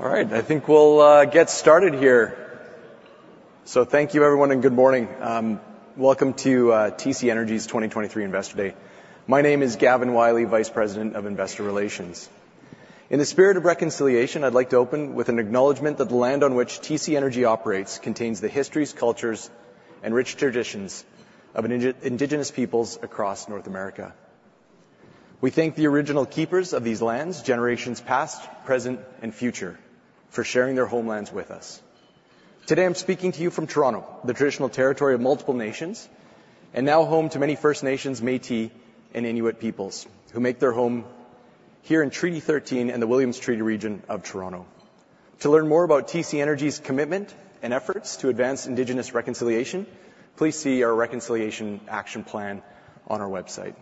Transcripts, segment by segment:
All right, I think we'll get started here. Thank you everyone, and good morning. Welcome to TC Energy's 2023 Investor Day. My name is Gavin Wylie, Vice President of Investor Relations. In the spirit of reconciliation, I'd like to open with an acknowledgement that the land on which TC Energy operates contains the histories, cultures, and rich traditions of Indigenous peoples across North America. We thank the original keepers of these lands, generations past, present, and future, for sharing their homelands with us. Today, I'm speaking to you from Toronto, the traditional territory of multiple nations, and now home to many First Nations, Métis, and Inuit peoples, who make their home here in Treaty 13 and the Williams Treaty region of Toronto. To learn more about TC Energy's commitment and efforts to advance Indigenous reconciliation, please see our reconciliation action plan on our website.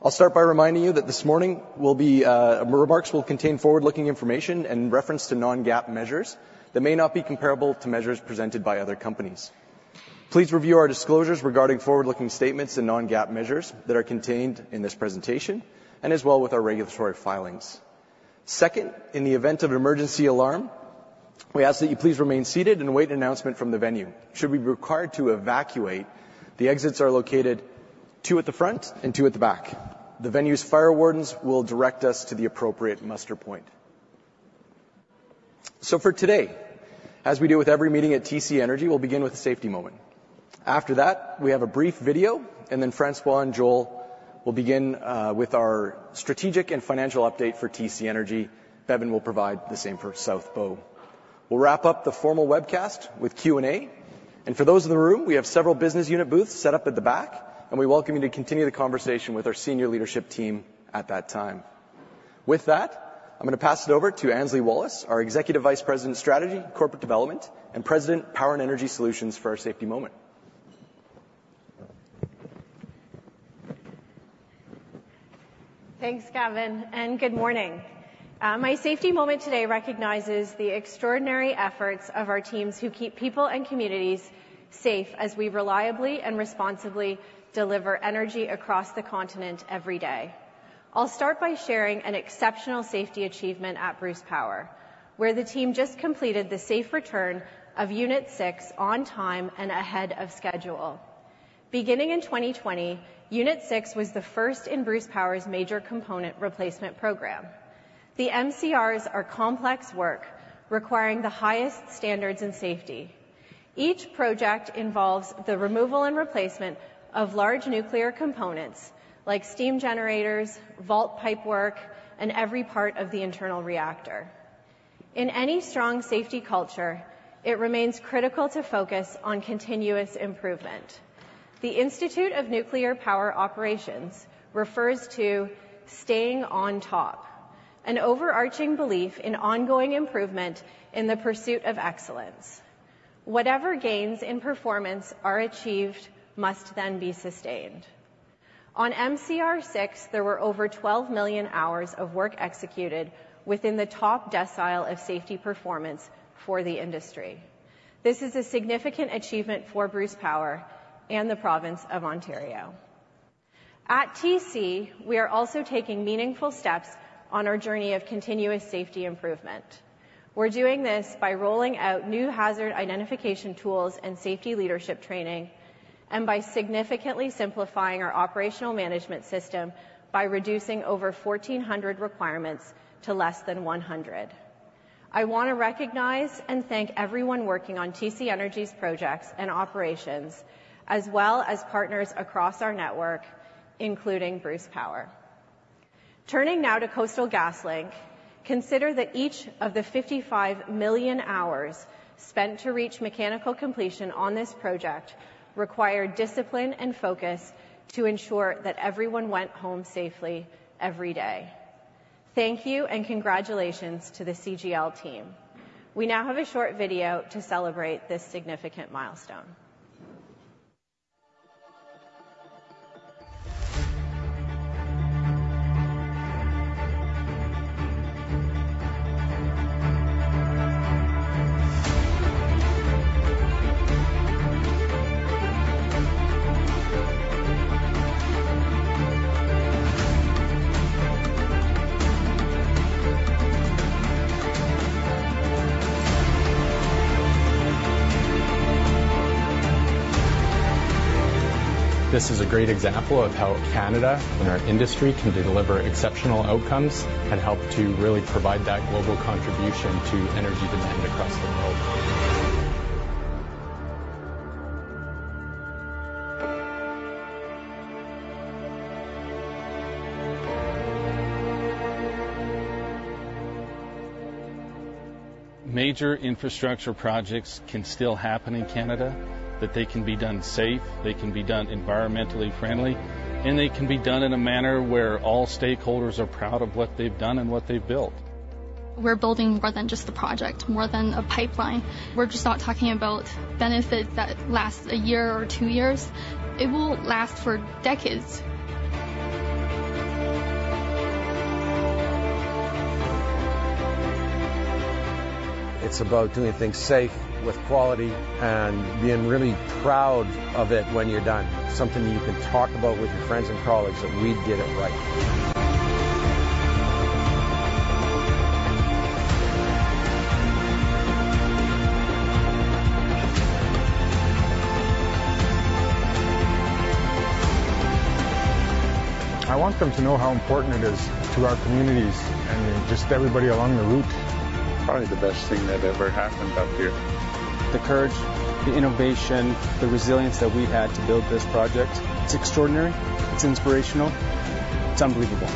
I'll start by reminding you that this morning will be, remarks will contain forward-looking information in reference to non-GAAP measures that may not be comparable to measures presented by other companies. Please review our disclosures regarding forward-looking statements and non-GAAP measures that are contained in this presentation and as well with our regulatory filings. Second, in the event of an emergency alarm, we ask that you please remain seated and await an announcement from the venue. Should we be required to evacuate, the exits are located two at the front and two at the back. The venue's fire wardens will direct us to the appropriate muster point. So for today, as we do with every meeting at TC Energy, we'll begin with a safety moment. After that, we have a brief video, and then François and Joel will begin, with our strategic and financial update for TC Energy. Bevin will provide the same for South Bow. We'll wrap up the formal webcast with Q&A, and for those in the room, we have several business unit booths set up at the back, and we welcome you to continue the conversation with our senior leadership team at that time. With that, I'm going to pass it over to Annesley Wallace, our Executive Vice President, Strategy, Corporate Development, and President, Power and Energy Solutions, for our safety moment. Thanks, Gavin, and good morning. My safety moment today recognizes the extraordinary efforts of our teams who keep people and communities safe as we reliably and responsibly deliver energy across the continent every day. I'll start by sharing an exceptional safety achievement at Bruce Power, where the team just completed the safe return of Unit 6 on time and ahead of schedule. Beginning in 2020, Unit 6 was the first in Bruce Power's Major Component Replacement program. The MCRs are complex work requiring the highest standards in safety. Each project involves the removal and replacement of large nuclear components, like steam generators, vault pipework, and every part of the internal reactor. In any strong safety culture, it remains critical to focus on continuous improvement. The Institute of Nuclear Power Operations refers to Staying on Top, an overarching belief in ongoing improvement in the pursuit of excellence. Whatever gains in performance are achieved must then be sustained. On MCR 6, there were over 12 million hours of work executed within the top decile of safety performance for the industry. This is a significant achievement for Bruce Power and the province of Ontario. At TC, we are also taking meaningful steps on our journey of continuous safety improvement. We're doing this by rolling out new hazard identification tools and safety leadership training, and by significantly simplifying our operational management system by reducing over 1,400 requirements to less than 100. I want to recognize and thank everyone working on TC Energy's projects and operations, as well as partners across our network, including Bruce Power. Turning now to Coastal GasLink, consider that each of the 55 million hours spent to reach mechanical completion on this project required discipline and focus to ensure that everyone went home safely every day. Thank you, and congratulations to the CGL team. We now have a short video to celebrate this significant milestone. This is a great example of how Canada and our industry can deliver exceptional outcomes and help to really provide that global contribution to energy demand across the world. Major infrastructure projects can still happen in Canada, that they can be done safe, they can be done environmentally friendly, and they can be done in a manner where all stakeholders are proud of what they've done and what they've built. We're building more than just a project, more than a pipeline. We're just not talking about benefits that last a year or two years. It will last for decades.... It's about doing things safe, with quality, and being really proud of it when you're done. Something that you can talk about with your friends and colleagues, that we did it right. I want them to know how important it is to our communities and just everybody along the route. Probably the best thing that ever happened up here. The courage, the innovation, the resilience that we had to build this project. It's extraordinary. It's inspirational. It's unbelievable.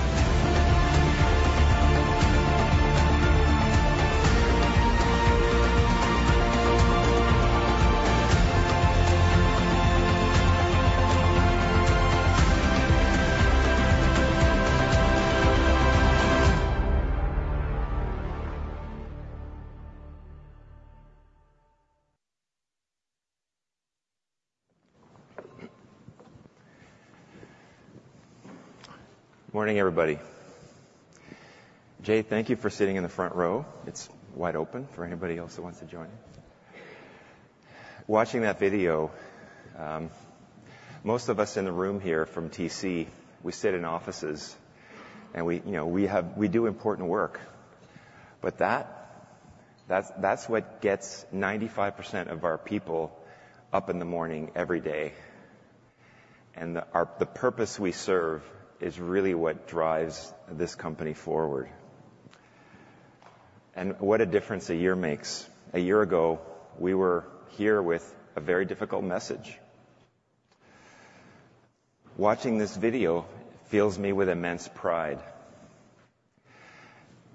Good morning, everybody. Jay, thank you for sitting in the front row. It's wide open for anybody else that wants to join. Watching that video, most of us in the room here from TC, we sit in offices, and we, you know, we have-- we do important work, but that, that's, that's what gets 95% of our people up in the morning every day, and the-- our-- the purpose we serve is really what drives this company forward. What a difference a year makes. A year ago, we were here with a very difficult message. Watching this video fills me with immense pride.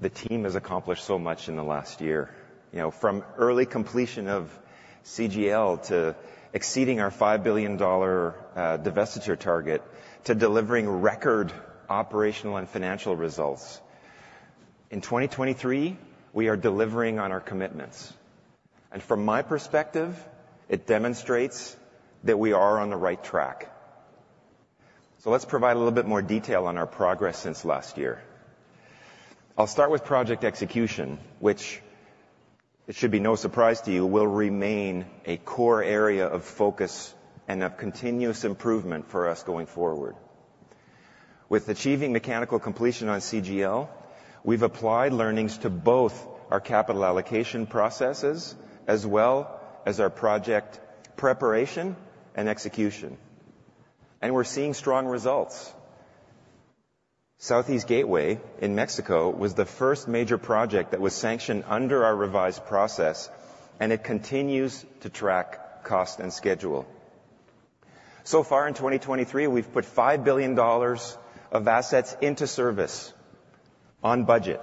The team has accomplished so much in the last year. You know, from early completion of CGL to exceeding our 5 billion dollar divestiture target, to delivering record operational and financial results. In 2023, we are delivering on our commitments, and from my perspective, it demonstrates that we are on the right track. Let's provide a little bit more detail on our progress since last year. I'll start with project execution, which it should be no surprise to you, will remain a core area of focus and of continuous improvement for us going forward. With achieving mechanical completion on CGL, we've applied learnings to both our capital allocation processes as well as our project preparation and execution, and we're seeing strong results. Southeast Gateway in Mexico was the first major project that was sanctioned under our revised process, and it continues to track cost and schedule. So far in 2023, we've put $5 billion of assets into service on budget,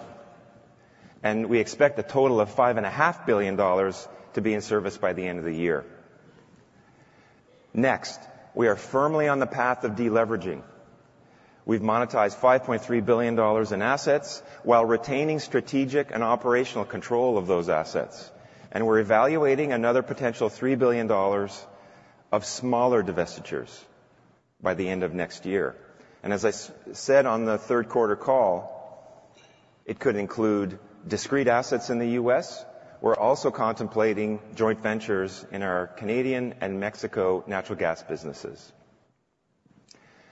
and we expect a total of $5.5 billion to be in service by the end of the year. Next, we are firmly on the path of deleveraging. We've monetized $5.3 billion in assets while retaining strategic and operational control of those assets, and we're evaluating another potential $3 billion of smaller divestitures by the end of next year. And as I said on the third quarter call, it could include discrete assets in the U.S. We're also contemplating joint ventures in our Canadian and Mexico natural gas businesses.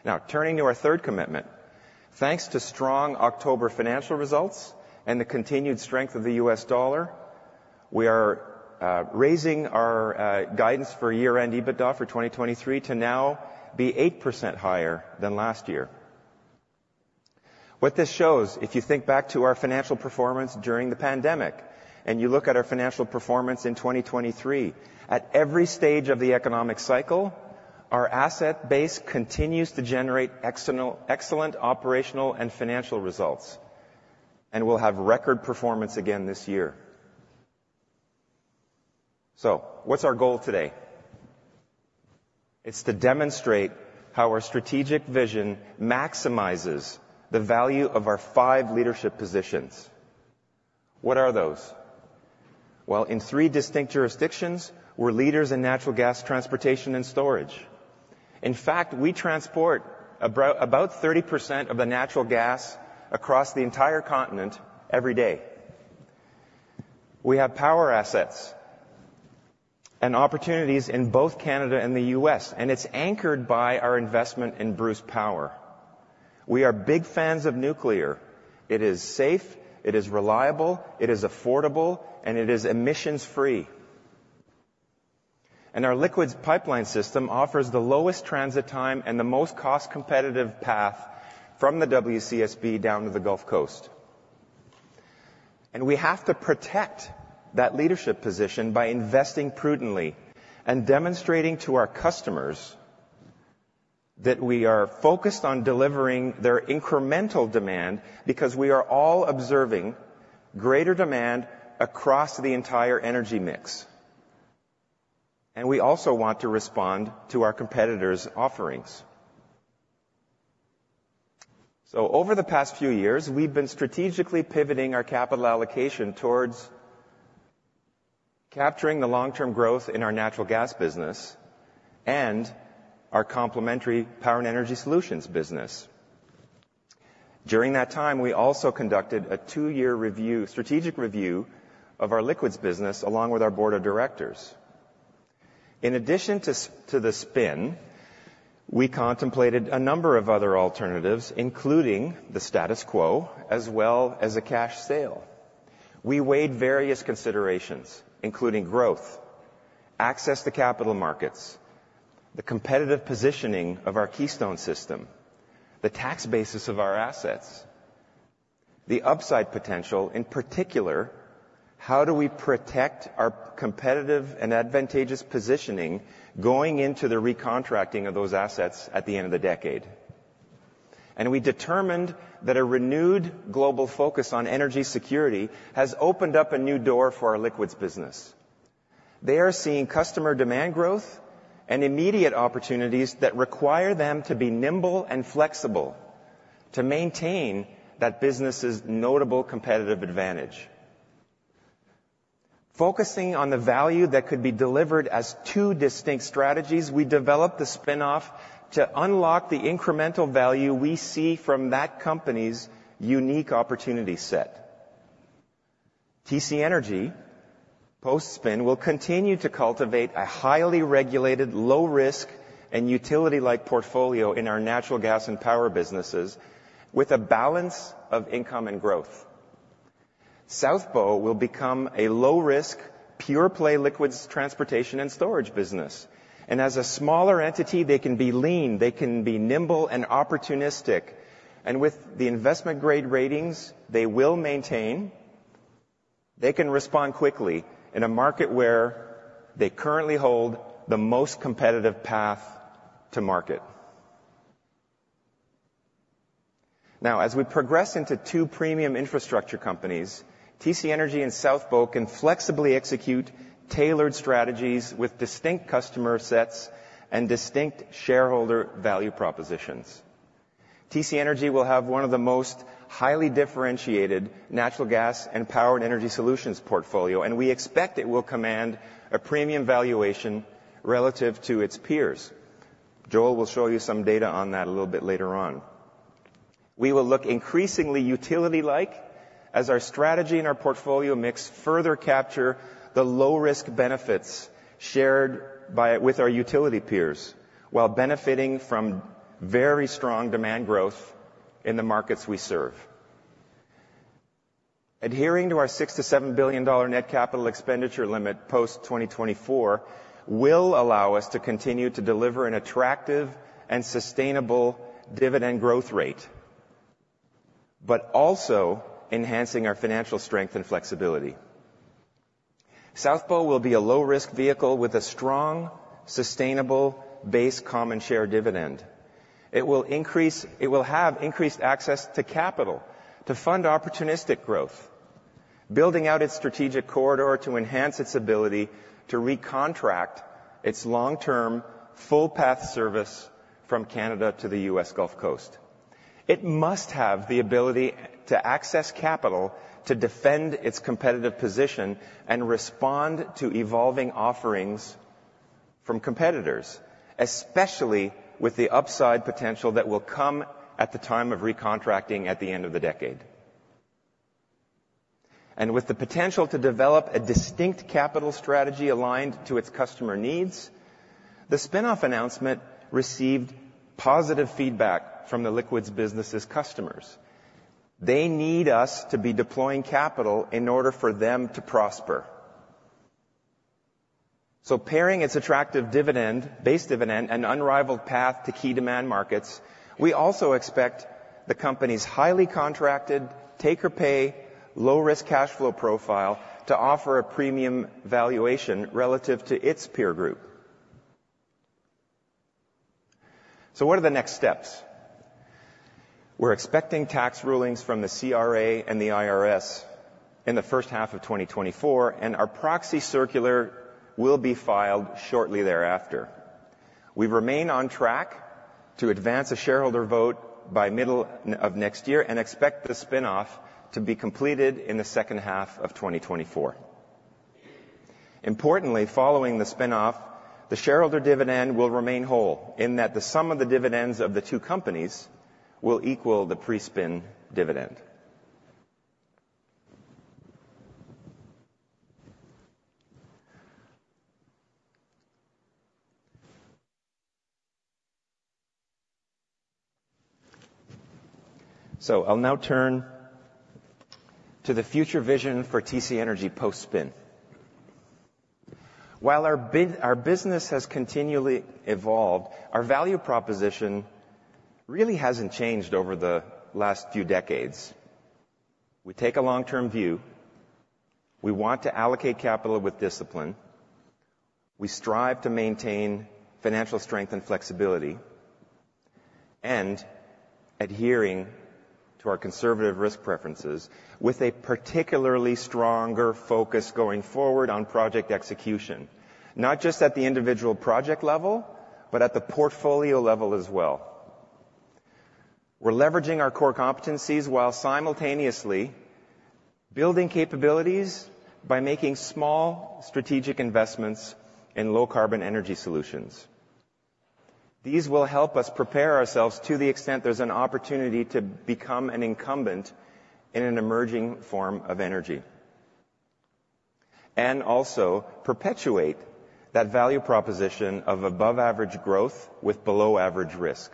Now, turning to our third commitment. Thanks to strong October financial results and the continued strength of the U.S. dollar, we are raising our guidance for year-end EBITDA for 2023 to now be 8% higher than last year. What this shows, if you think back to our financial performance during the pandemic, and you look at our financial performance in 2023, at every stage of the economic cycle, our asset base continues to generate excellent operational and financial results, and we'll have record performance again this year. So what's our goal today? It's to demonstrate how our strategic vision maximizes the value of our five leadership positions. What are those? Well, in three distinct jurisdictions, we're leaders in natural gas transportation and storage. In fact, we transport about 30% of the natural gas across the entire continent every day. We have power assets and opportunities in both Canada and the U.S., and it's anchored by our investment in Bruce Power. We are big fans of nuclear. It is safe, it is reliable, it is affordable, and it is emissions-free. And our liquids pipeline system offers the lowest transit time and the most cost-competitive path from the WCSB down to the Gulf Coast. And we have to protect that leadership position by investing prudently and demonstrating to our customers that we are focused on delivering their incremental demand, because we are all observing greater demand across the entire energy mix, and we also want to respond to our competitors' offerings. So over the past few years, we've been strategically pivoting our capital allocation towards capturing the long-term growth in our natural gas business and our complementary power and energy solutions business.... During that time, we also conducted a two-year review, strategic review of our Liquids business, along with our board of directors. In addition to to the spin, we contemplated a number of other alternatives, including the status quo, as well as a cash sale. We weighed various considerations, including growth, access to capital markets, the competitive positioning of our Keystone system, the tax basis of our assets, the upside potential, in particular, how do we protect our competitive and advantageous positioning going into the recontracting of those assets at the end of the decade? And we determined that a renewed global focus on energy security has opened up a new door for our Liquids business. They are seeing customer demand growth and immediate opportunities that require them to be nimble and flexible to maintain that business's notable competitive advantage. Focusing on the value that could be delivered as two distinct strategies, we developed the spin-off to unlock the incremental value we see from that company's unique opportunity set. TC Energy, post-spin, will continue to cultivate a highly regulated, low-risk and utility-like portfolio in our natural gas and power businesses, with a balance of income and growth. South Bow will become a low-risk, pure-play liquids transportation and storage business, and as a smaller entity, they can be lean, they can be nimble and opportunistic, and with the investment-grade ratings they will maintain, they can respond quickly in a market where they currently hold the most competitive path to market. Now, as we progress into two premium infrastructure companies, TC Energy and South Bow can flexibly execute tailored strategies with distinct customer sets and distinct shareholder value propositions. TC Energy will have one of the most highly differentiated natural gas and power and energy solutions portfolio, and we expect it will command a premium valuation relative to its peers. Joel will show you some data on that a little bit later on. We will look increasingly utility-like as our strategy and our portfolio mix further capture the low-risk benefits shared by with our utility peers, while benefiting from very strong demand growth in the markets we serve. Adhering to our 6-7 billion dollar net capital expenditure limit post-2024, will allow us to continue to deliver an attractive and sustainable dividend growth rate, but also enhancing our financial strength and flexibility. South Bow will be a low-risk vehicle with a strong, sustainable base common share dividend. It will have increased access to capital to fund opportunistic growth, building out its strategic corridor to enhance its ability to recontract its long-term, full-path service from Canada to the U.S. Gulf Coast. It must have the ability to access capital to defend its competitive position and respond to evolving offerings from competitors, especially with the upside potential that will come at the time of recontracting at the end of the decade. With the potential to develop a distinct capital strategy aligned to its customer needs, the spin-off announcement received positive feedback from the Liquids business' customers. They need us to be deploying capital in order for them to prosper. Pairing its attractive dividend, base dividend and unrivaled path to key demand markets, we also expect the company's highly contracted, take-or-pay, low-risk cash flow profile to offer a premium valuation relative to its peer group. So what are the next steps? We're expecting tax rulings from the CRA and the IRS in the first half of 2024, and our proxy circular will be filed shortly thereafter. We remain on track to advance a shareholder vote by middle of next year and expect the spin-off to be completed in the second half of 2024. Importantly, following the spin-off, the shareholder dividend will remain whole, in that the sum of the dividends of the two companies will equal the pre-spin dividend. So I'll now turn to the future vision for TC Energy post-spin. While our business has continually evolved, our value proposition really hasn't changed over the last few decades. We take a long-term view, we want to allocate capital with discipline, we strive to maintain financial strength and flexibility, and adhering to our conservative risk preferences with a particularly stronger focus going forward on project execution, not just at the individual project level, but at the portfolio level as well. We're leveraging our core competencies while simultaneously building capabilities by making small strategic investments in low-carbon energy solutions. These will help us prepare ourselves to the extent there's an opportunity to become an incumbent in an emerging form of energy, and also perpetuate that value proposition of above-average growth with below-average risk.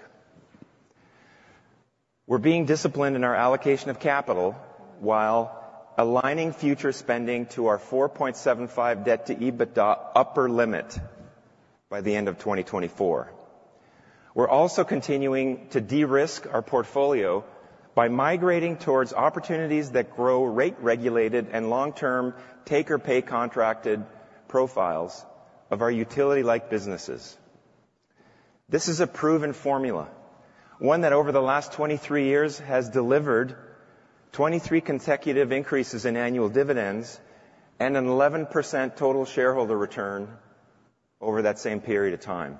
We're being disciplined in our allocation of capital while aligning future spending to our 4.75 debt-to-EBITDA upper limit by the end of 2024. We're also continuing to de-risk our portfolio by migrating towards opportunities that grow rate-regulated and long-term, take-or-pay contracted profiles of our utility-like businesses. This is a proven formula, one that over the last 23 years has delivered 23 consecutive increases in annual dividends and an 11% total shareholder return over that same period of time.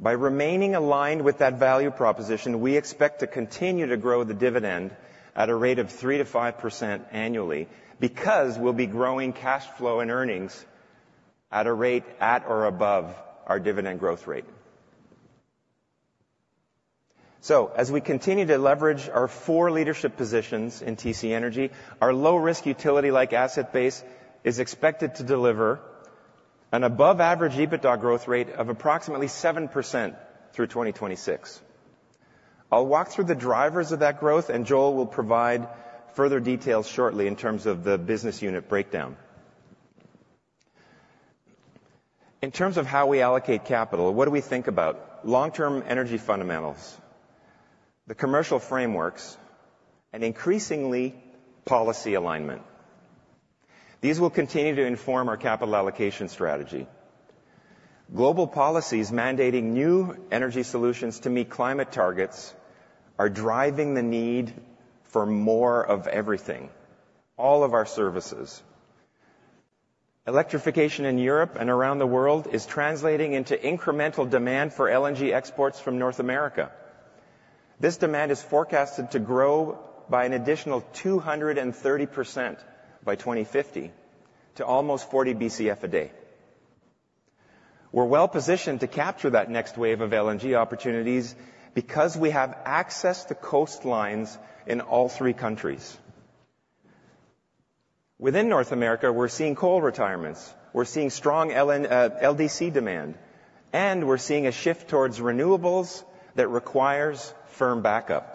By remaining aligned with that value proposition, we expect to continue to grow the dividend at a rate of 3%-5% annually, because we'll be growing cash flow and earnings at a rate at or above our dividend growth rate. So as we continue to leverage our four leadership positions in TC Energy, our low-risk, utility-like asset base is expected to deliver an above-average EBITDA growth rate of approximately 7% through 2026. I'll walk through the drivers of that growth, and Joel will provide further details shortly in terms of the business unit breakdown. In terms of how we allocate capital, what do we think about? Long-term energy fundamentals, the commercial frameworks, and increasingly, policy alignment. These will continue to inform our capital allocation strategy. Global policies mandating new energy solutions to meet climate targets are driving the need for more of everything, all of our services. Electrification in Europe and around the world is translating into incremental demand for LNG exports from North America. This demand is forecasted to grow by an additional 230% by 2050 to almost 40 BCF a day. We're well-positioned to capture that next wave of LNG opportunities because we have access to coastlines in all three countries. Within North America, we're seeing coal retirements, we're seeing strong LNG, LDC demand, and we're seeing a shift towards renewables that requires firm backup.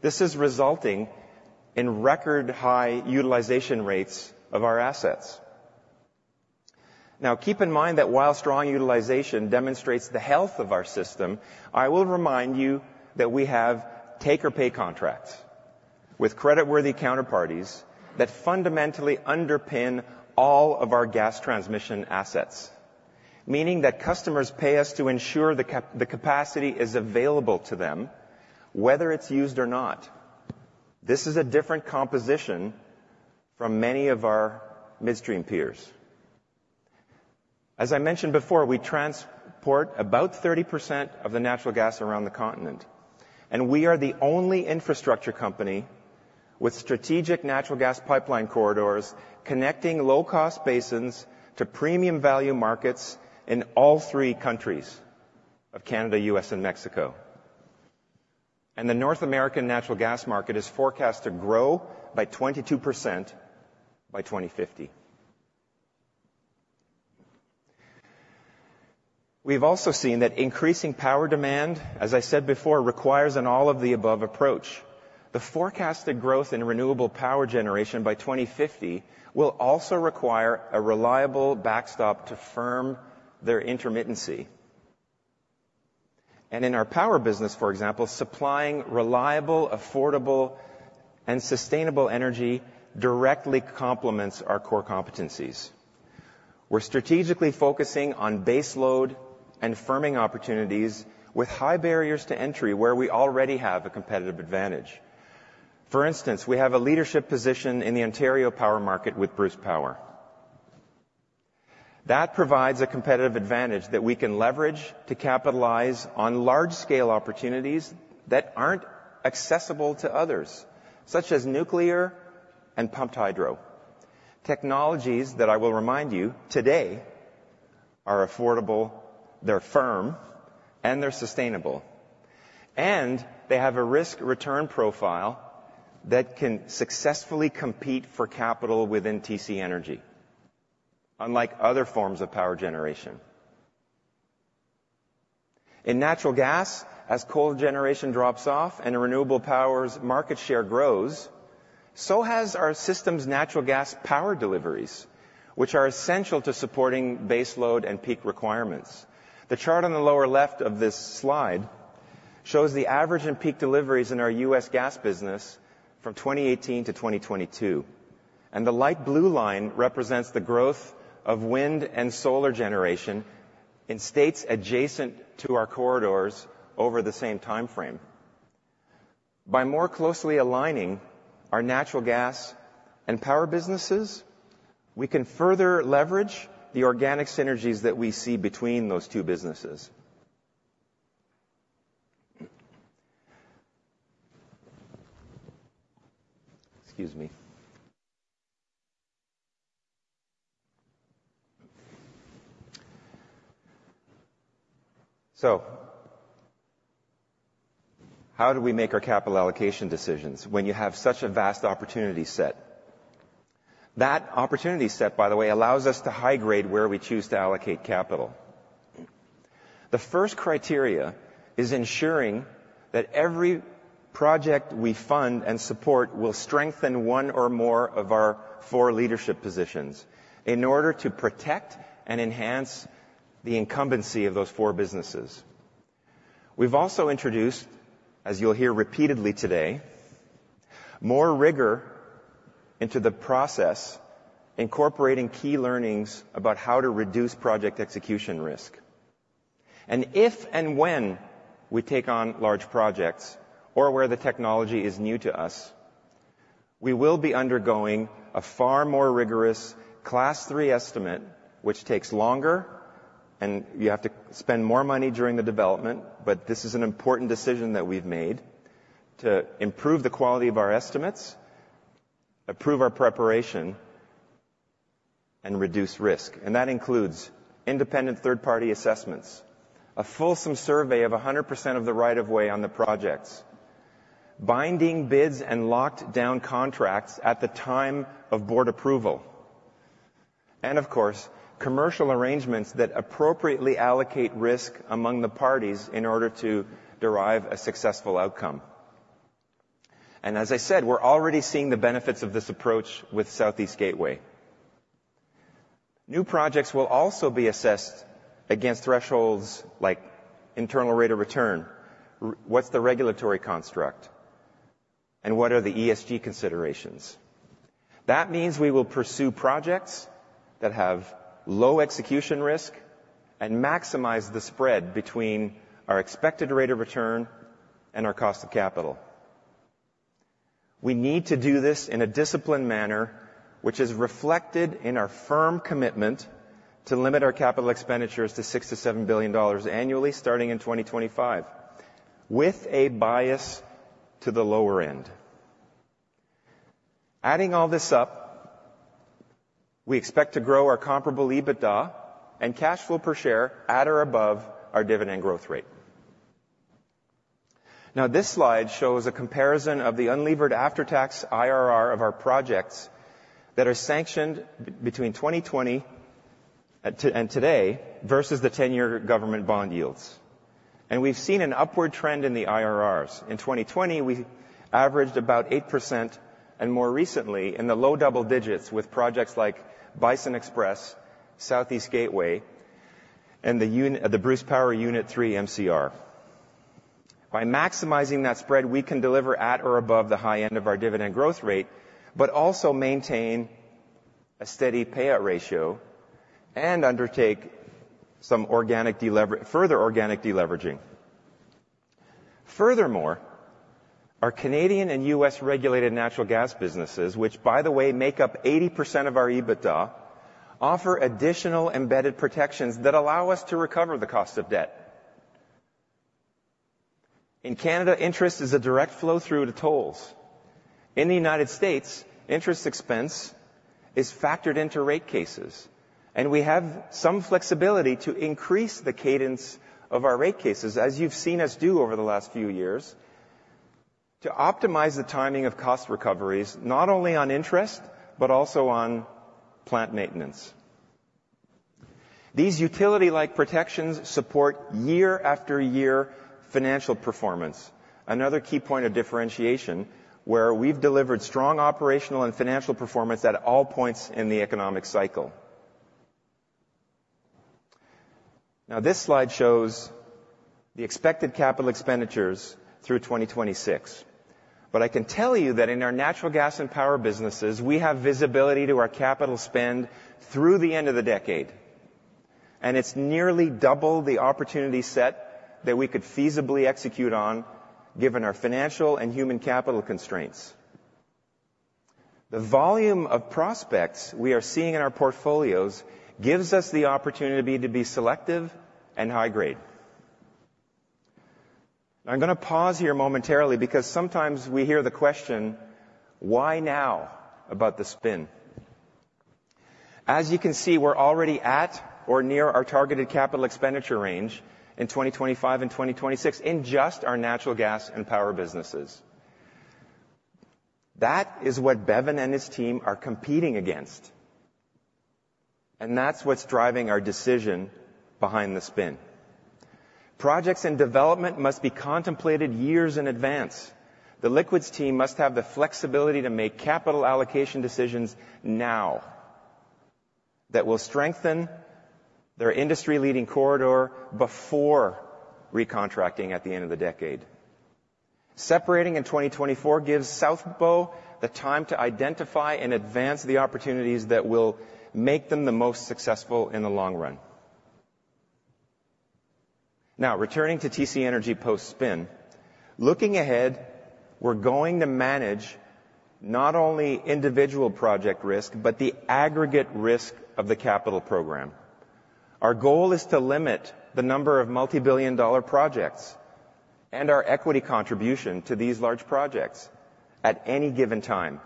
This is resulting in record-high utilization rates of our assets. Now, keep in mind that while strong utilization demonstrates the health of our system, I will remind you that we have take-or-pay contracts with creditworthy counterparties that fundamentally underpin all of our gas transmission assets. Meaning that customers pay us to ensure the capacity is available to them, whether it's used or not. This is a different composition from many of our midstream peers. As I mentioned before, we transport about 30% of the natural gas around the continent, and we are the only infrastructure company with strategic natural gas pipeline corridors connecting low-cost basins to premium value markets in all three countries of Canada, U.S., and Mexico. The North American natural gas market is forecast to grow by 22% by 2050. We've also seen that increasing power demand, as I said before, requires an all-of-the-above approach. The forecasted growth in renewable power generation by 2050 will also require a reliable backstop to firm their intermittency. In our power business, for example, supplying reliable, affordable, and sustainable energy directly complements our core competencies. We're strategically focusing on baseload and firming opportunities with high barriers to entry, where we already have a competitive advantage. For instance, we have a leadership position in the Ontario Power Market with Bruce Power. That provides a competitive advantage that we can leverage to capitalize on large-scale opportunities that aren't accessible to others, such as nuclear and pumped hydro, technologies that I will remind you today are affordable, they're firm, and they're sustainable, and they have a risk-return profile that can successfully compete for capital within TC Energy, unlike other forms of power generation. In natural gas, as coal generation drops off and renewable power's market share grows, so has our system's natural gas power deliveries, which are essential to supporting baseload and peak requirements. The chart on the lower left of this slide shows the average and peak deliveries in our US Gas business from 2018 to 2022, and the light blue line represents the growth of wind and solar generation in states adjacent to our corridors over the same timeframe. By more closely aligning our natural gas and power businesses, we can further leverage the organic synergies that we see between those two businesses… Excuse me. So, how do we make our capital allocation decisions when you have such a vast opportunity set? That opportunity set, by the way, allows us to high-grade where we choose to allocate capital. The first criteria is ensuring that every project we fund and support will strengthen one or more of our four leadership positions in order to protect and enhance the incumbency of those four businesses. We've also introduced, as you'll hear repeatedly today, more rigor into the process, incorporating key learnings about how to reduce project execution risk. If and when we take on large projects or where the technology is new to us, we will be undergoing a far more rigorous Class 3 Estimate, which takes longer, and you have to spend more money during the development. This is an important decision that we've made to improve the quality of our estimates, improve our preparation, and reduce risk. That includes independent third-party assessments, a fulsome survey of 100% of the right of way on the projects, binding bids and locked down contracts at the time of board approval, and of course, commercial arrangements that appropriately allocate risk among the parties in order to derive a successful outcome. As I said, we're already seeing the benefits of this approach with Southeast Gateway. New projects will also be assessed against thresholds like internal rate of return, what's the regulatory construct, and what are the ESG considerations? That means we will pursue projects that have low execution risk and maximize the spread between our expected rate of return and our cost of capital. We need to do this in a disciplined manner, which is reflected in our firm commitment to limit our capital expenditures to 6 billion-7 billion dollars annually, starting in 2025, with a bias to the lower end. Adding all this up, we expect to grow our comparable EBITDA and cash flow per share at or above our dividend growth rate. Now, this slide shows a comparison of the unlevered after-tax IRR of our projects that are sanctioned between 2020 and today versus the 10-year government bond yields. We've seen an upward trend in the IRRs. In 2020, we averaged about 8%, and more recently in the low double digits, with projects like Bison XPress, Southeast Gateway, and the Unit 3 MCR at Bruce Power. By maximizing that spread, we can deliver at or above the high end of our dividend growth rate, but also maintain a steady payout ratio and undertake some organic deleveraging, further organic deleveraging. Furthermore, our Canadian and U.S. regulated natural gas businesses, which, by the way, make up 80% of our EBITDA, offer additional embedded protections that allow us to recover the cost of debt. In Canada, interest is a direct flow-through to tolls. In the United States, interest expense is factored into rate cases, and we have some flexibility to increase the cadence of our rate cases, as you've seen us do over the last few years, to optimize the timing of cost recoveries, not only on interest, but also on plant maintenance. These utility-like protections support year after year financial performance. Another key point of differentiation, where we've delivered strong operational and financial performance at all points in the economic cycle. Now, this slide shows the expected capital expenditures through 2026. But I can tell you that in our natural gas and power businesses, we have visibility to our capital spend through the end of the decade, and it's nearly double the opportunity set that we could feasibly execute on, given our financial and human capital constraints. The volume of prospects we are seeing in our portfolios gives us the opportunity to be selective and high-grade. I'm gonna pause here momentarily because sometimes we hear the question, "Why now about the spin?" As you can see, we're already at or near our targeted capital expenditure range in 2025 and 2026 in just our natural gas and power businesses. That is what Bevin and his team are competing against, and that's what's driving our decision behind the spin. Projects and development must be contemplated years in advance. The Liquids team must have the flexibility to make capital allocation decisions now, that will strengthen their industry-leading corridor before recontracting at the end of the decade. Separating in 2024 gives South Bow the time to identify and advance the opportunities that will make them the most successful in the long run. Now, returning to TC Energy post-spin. Looking ahead, we're going to manage not only individual project risk, but the aggregate risk of the capital program. Our goal is to limit the number of multi-billion dollar projects and our equity contribution to these large projects at any given time.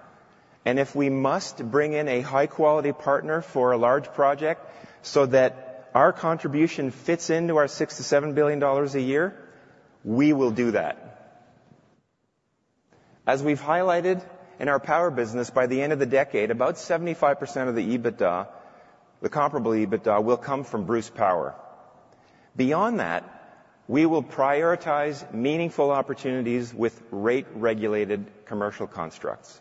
And if we must bring in a high-quality partner for a large project so that our contribution fits into our 6 billion-7 billion dollars a year, we will do that. As we've highlighted in our power business, by the end of the decade, about 75% of the EBITDA, the comparable EBITDA, will come from Bruce Power. Beyond that, we will prioritize meaningful opportunities with rate-regulated commercial constructs.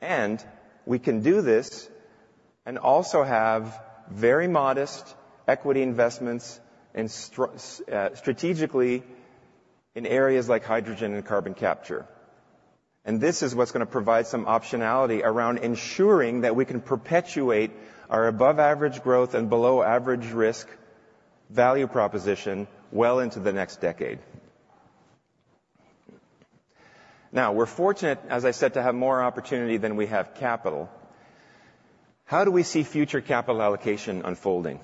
And we can do this and also have very modest equity investments in strategically in areas like hydrogen and carbon capture. This is what's gonna provide some optionality around ensuring that we can perpetuate our above-average growth and below-average risk value proposition well into the next decade. Now, we're fortunate, as I said, to have more opportunity than we have capital. How do we see future capital allocation unfolding?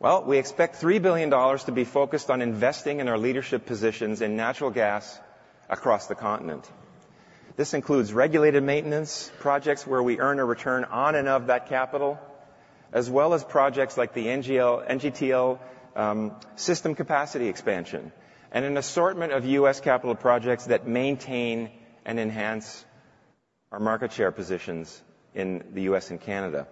Well, we expect 3 billion dollars to be focused on investing in our leadership positions in natural gas across the continent. This includes regulated maintenance projects where we earn a return on and of that capital, as well as projects like the NGTL system capacity expansion, and an assortment of U.S. capital projects that maintain and enhance our market share positions in the U.S. and Canada.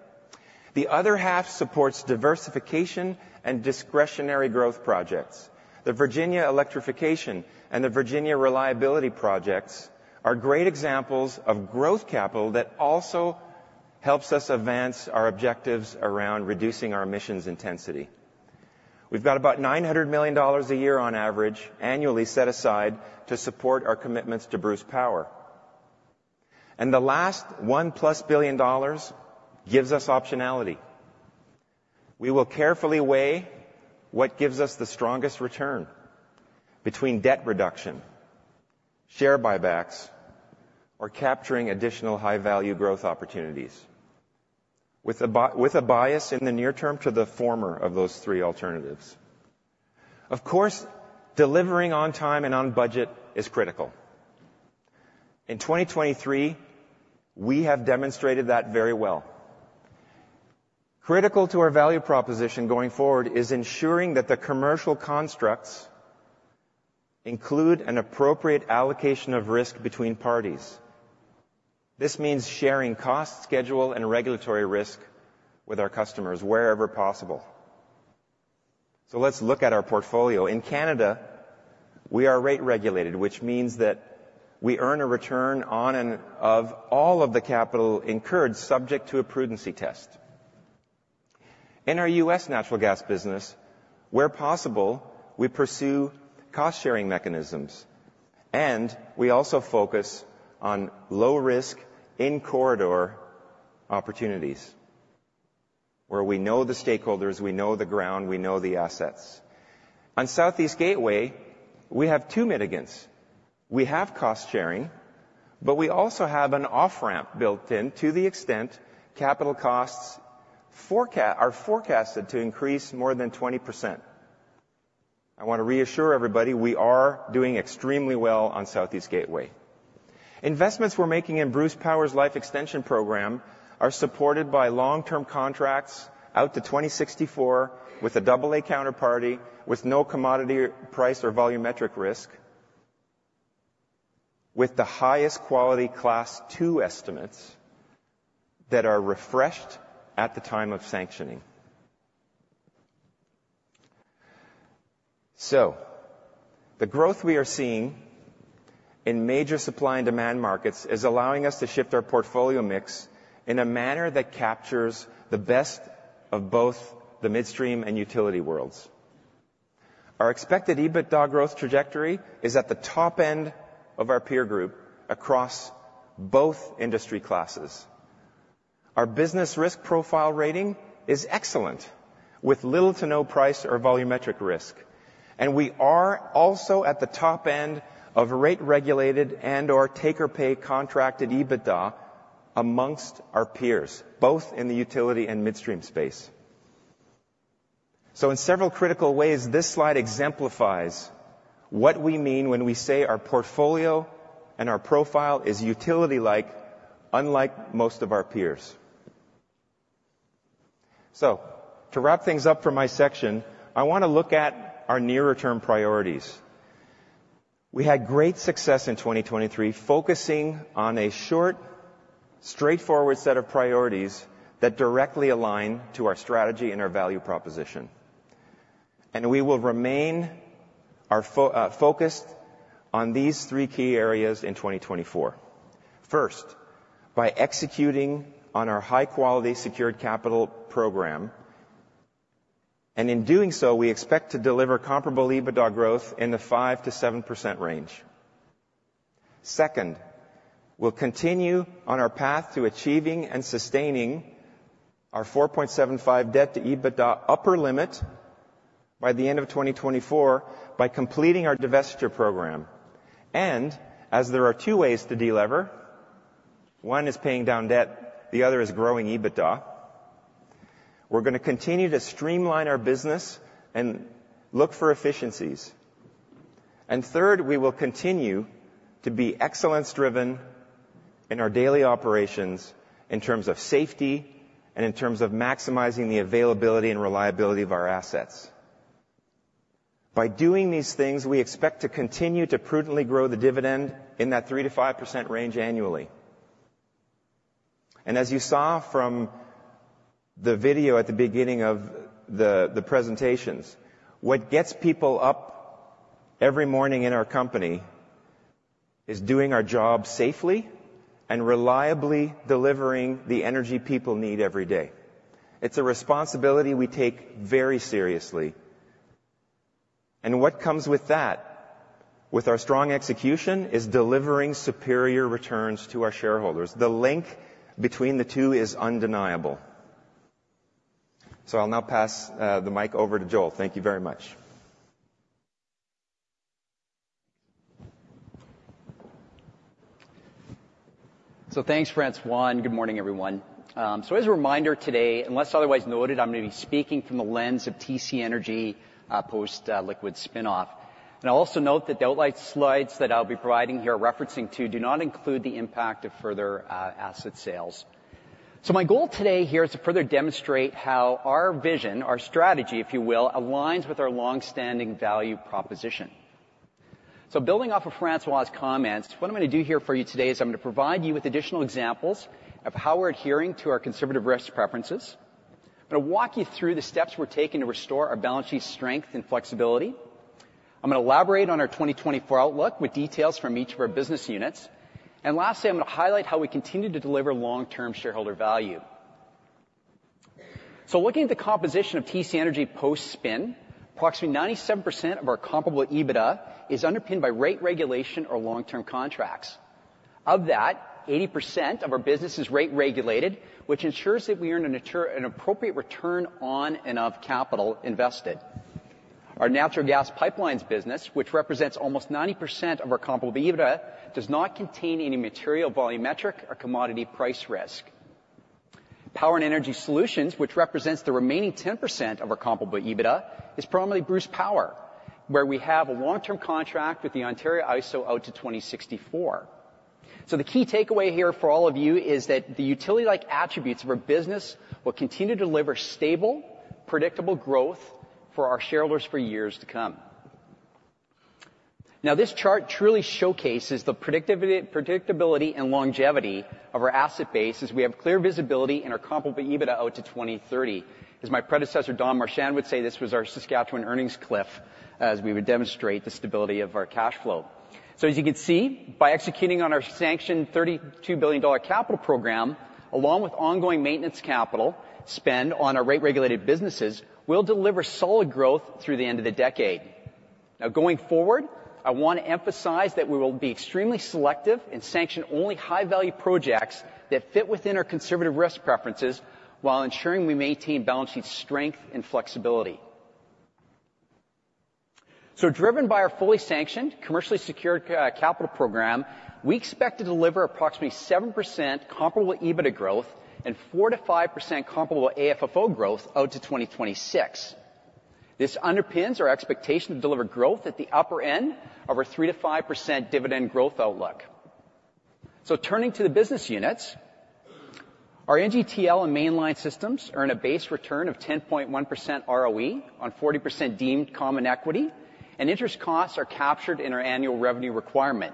The other half supports diversification and discretionary growth projects. The Virginia Electrification Project and the Virginia Reliability Project are great examples of growth capital that also helps us advance our objectives around reducing our emissions intensity. We've got about $900 million a year on average, annually set aside to support our commitments to Bruce Power. And the last $1+ billion gives us optionality. We will carefully weigh what gives us the strongest return between debt reduction, share buybacks, or capturing additional high-value growth opportunities, with a bias in the near term to the former of those three alternatives. Of course, delivering on time and on budget is critical. In 2023, we have demonstrated that very well. Critical to our value proposition going forward is ensuring that the commercial constructs include an appropriate allocation of risk between parties. This means sharing cost, schedule, and regulatory risk with our customers wherever possible. So let's look at our portfolio. In Canada, we are rate-regulated, which means that we earn a return on and of all of the capital incurred, subject to a prudence test. In our U.S. natural gas business, where possible, we pursue cost-sharing mechanisms, and we also focus on low-risk in corridor opportunities, where we know the stakeholders, we know the ground, we know the assets. On Southeast Gateway, we have two mitigants. We have cost sharing, but we also have an off-ramp built-in to the extent capital costs are forecasted to increase more than 20%. I wanna reassure everybody we are doing extremely well on Southeast Gateway. Investments we're making in Bruce Power's life extension program are supported by long-term contracts out to 2064, with a AA counterparty, with no commodity, price, or volumetric risk, with the highest quality Class 2 estimates that are refreshed at the time of sanctioning. The growth we are seeing in major supply and demand markets is allowing us to shift our portfolio mix in a manner that captures the best of both the midstream and utility worlds. Our expected EBITDA growth trajectory is at the top end of our peer group across both industry classes. Our business risk profile rating is excellent, with little to no price or volumetric risk, and we are also at the top end of rate-regulated and/or take-or-pay contracted EBITDA amongst our peers, both in the utility and midstream space. So in several critical ways, this slide exemplifies what we mean when we say our portfolio and our profile is utility-like, unlike most of our peers. So to wrap things up for my section, I wanna look at our nearer-term priorities. We had great success in 2023, focusing on a short, straightforward set of priorities that directly align to our strategy and our value proposition, and we will remain focused on these three key areas in 2024. First, by executing on our high-quality secured capital program, and in doing so, we expect to deliver comparable EBITDA growth in the 5%-7% range. Second, we'll continue on our path to achieving and sustaining our 4.75 debt-to-EBITDA upper limit by the end of 2024, by completing our divestiture program. As there are two ways to delever, one is paying down debt, the other is growing EBITDA. We're gonna continue to streamline our business and look for efficiencies. And third, we will continue to be excellence-driven in our daily operations in terms of safety and in terms of maximizing the availability and reliability of our assets. By doing these things, we expect to continue to prudently grow the dividend in that 3%-5% range annually. And as you saw from the video at the beginning of the presentations, what gets people up every morning in our company is doing our job safely and reliably delivering the energy people need every day. It's a responsibility we take very seriously. And what comes with that? With our strong execution, is delivering superior returns to our shareholders. The link between the two is undeniable. I'll now pass the mic over to Joel. Thank you very much. So thanks, François. Good morning, everyone. As a reminder today, unless otherwise noted, I'm gonna be speaking from the lens of TC Energy post Liquids spin-off. I'll also note that the outlined slides that I'll be providing here, referencing to, do not include the impact of further asset sales. My goal today here is to further demonstrate how our vision, our strategy, if you will, aligns with our long-standing value proposition. Building off of François's comments, what I'm gonna do here for you today is I'm gonna provide you with additional examples of how we're adhering to our conservative risk preferences. I'm gonna walk you through the steps we're taking to restore our balance sheet strength and flexibility. I'm gonna elaborate on our 2024 outlook with details from each of our business units. Lastly, I'm gonna highlight how we continue to deliver long-term shareholder value. Looking at the composition of TC Energy post-spin, approximately 97% of our comparable EBITDA is underpinned by rate regulation or long-term contracts. Of that, 80% of our business is rate-regulated, which ensures that we earn an appropriate return on and of capital invested. Our natural gas pipelines business, which represents almost 90% of our comparable EBITDA, does not contain any material volumetric or commodity price risk. Power and energy solutions, which represents the remaining 10% of our comparable EBITDA, is primarily Bruce Power, where we have a long-term contract with the Ontario IESO out to 2064. The key takeaway here for all of you is that the utility-like attributes of our business will continue to deliver stable, predictable growth for our shareholders for years to come. Now, this chart truly showcases the predictability and longevity of our asset base, as we have clear visibility in our comparable EBITDA out to 2030. As my predecessor, Don Marchand, would say, this was our Saskatchewan earnings cliff, as we would demonstrate the stability of our cash flow. So as you can see, by executing on our sanctioned $32 billion capital program, along with ongoing maintenance capital spend on our rate-regulated businesses, we'll deliver solid growth through the end of the decade. Now, going forward, I want to emphasize that we will be extremely selective and sanction only high-value projects that fit within our conservative risk preferences, while ensuring we maintain balance sheet strength and flexibility. So driven by our fully sanctioned, commercially secured, capital program, we expect to deliver approximately 7% comparable EBITDA growth and 4%-5% comparable AFFO growth out to 2026. This underpins our expectation to deliver growth at the upper end of our 3%-5% dividend growth outlook. So turning to the business units, our NGTL and Mainline systems earn a base return of 10.1% ROE on 40% deemed common equity, and interest costs are captured in our annual revenue requirement.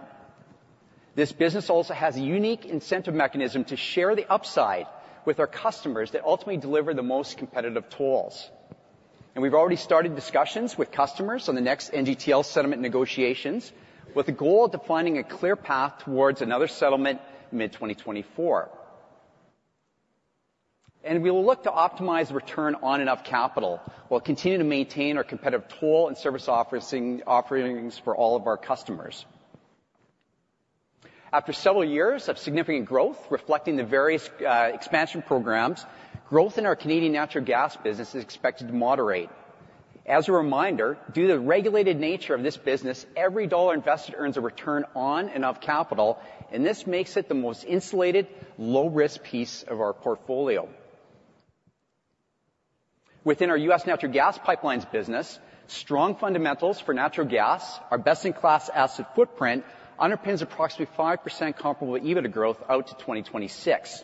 This business also has a unique incentive mechanism to share the upside with our customers that ultimately deliver the most competitive tolls. And we've already started discussions with customers on the next NGTL settlement negotiations, with the goal of defining a clear path towards another settlement mid-2024. We will look to optimize return on and of capital, while continuing to maintain our competitive toll and service offering, offerings for all of our customers. After several years of significant growth, reflecting the various expansion programs, growth in our Canadian natural gas business is expected to moderate. As a reminder, due to the regulated nature of this business, every dollar invested earns a return on and of capital, and this makes it the most insulated, low-risk piece of our portfolio. Within our U.S. natural gas pipelines business, strong fundamentals for natural gas, our best-in-class asset footprint underpins approximately 5% comparable EBITDA growth out to 2026.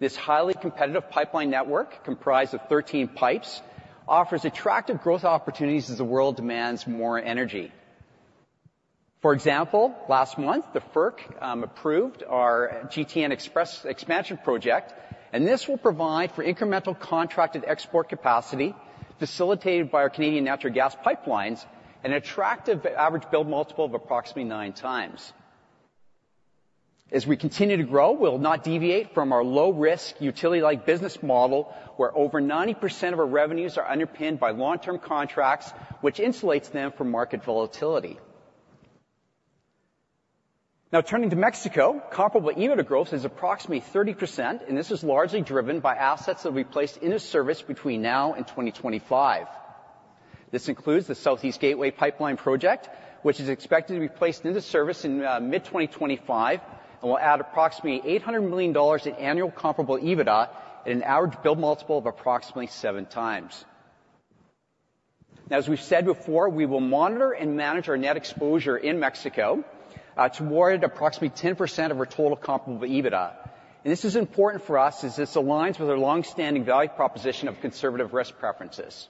This highly competitive pipeline network, comprised of 13 pipes, offers attractive growth opportunities as the world demands more energy. For example, last month, the FERC approved our GTN XPress expansion project, and this will provide for incremental contracted export capacity, facilitated by our Canadian natural gas pipelines, an attractive average build multiple of approximately 9x. As we continue to grow, we'll not deviate from our low-risk, utility-like business model, where over 90% of our revenues are underpinned by long-term contracts, which insulates them from market volatility. Now turning to Mexico, comparable EBITDA growth is approximately 30%, and this is largely driven by assets that will be placed into service between now and 2025. This includes the Southeast Gateway Pipeline Project, which is expected to be placed into service in mid-2025, and will add approximately $800 million in annual comparable EBITDA at an average build multiple of approximately 7x. Now, as we've said before, we will monitor and manage our net exposure in Mexico to warrant approximately 10% of our total comparable EBITDA. This is important for us, as this aligns with our long-standing value proposition of conservative risk preferences.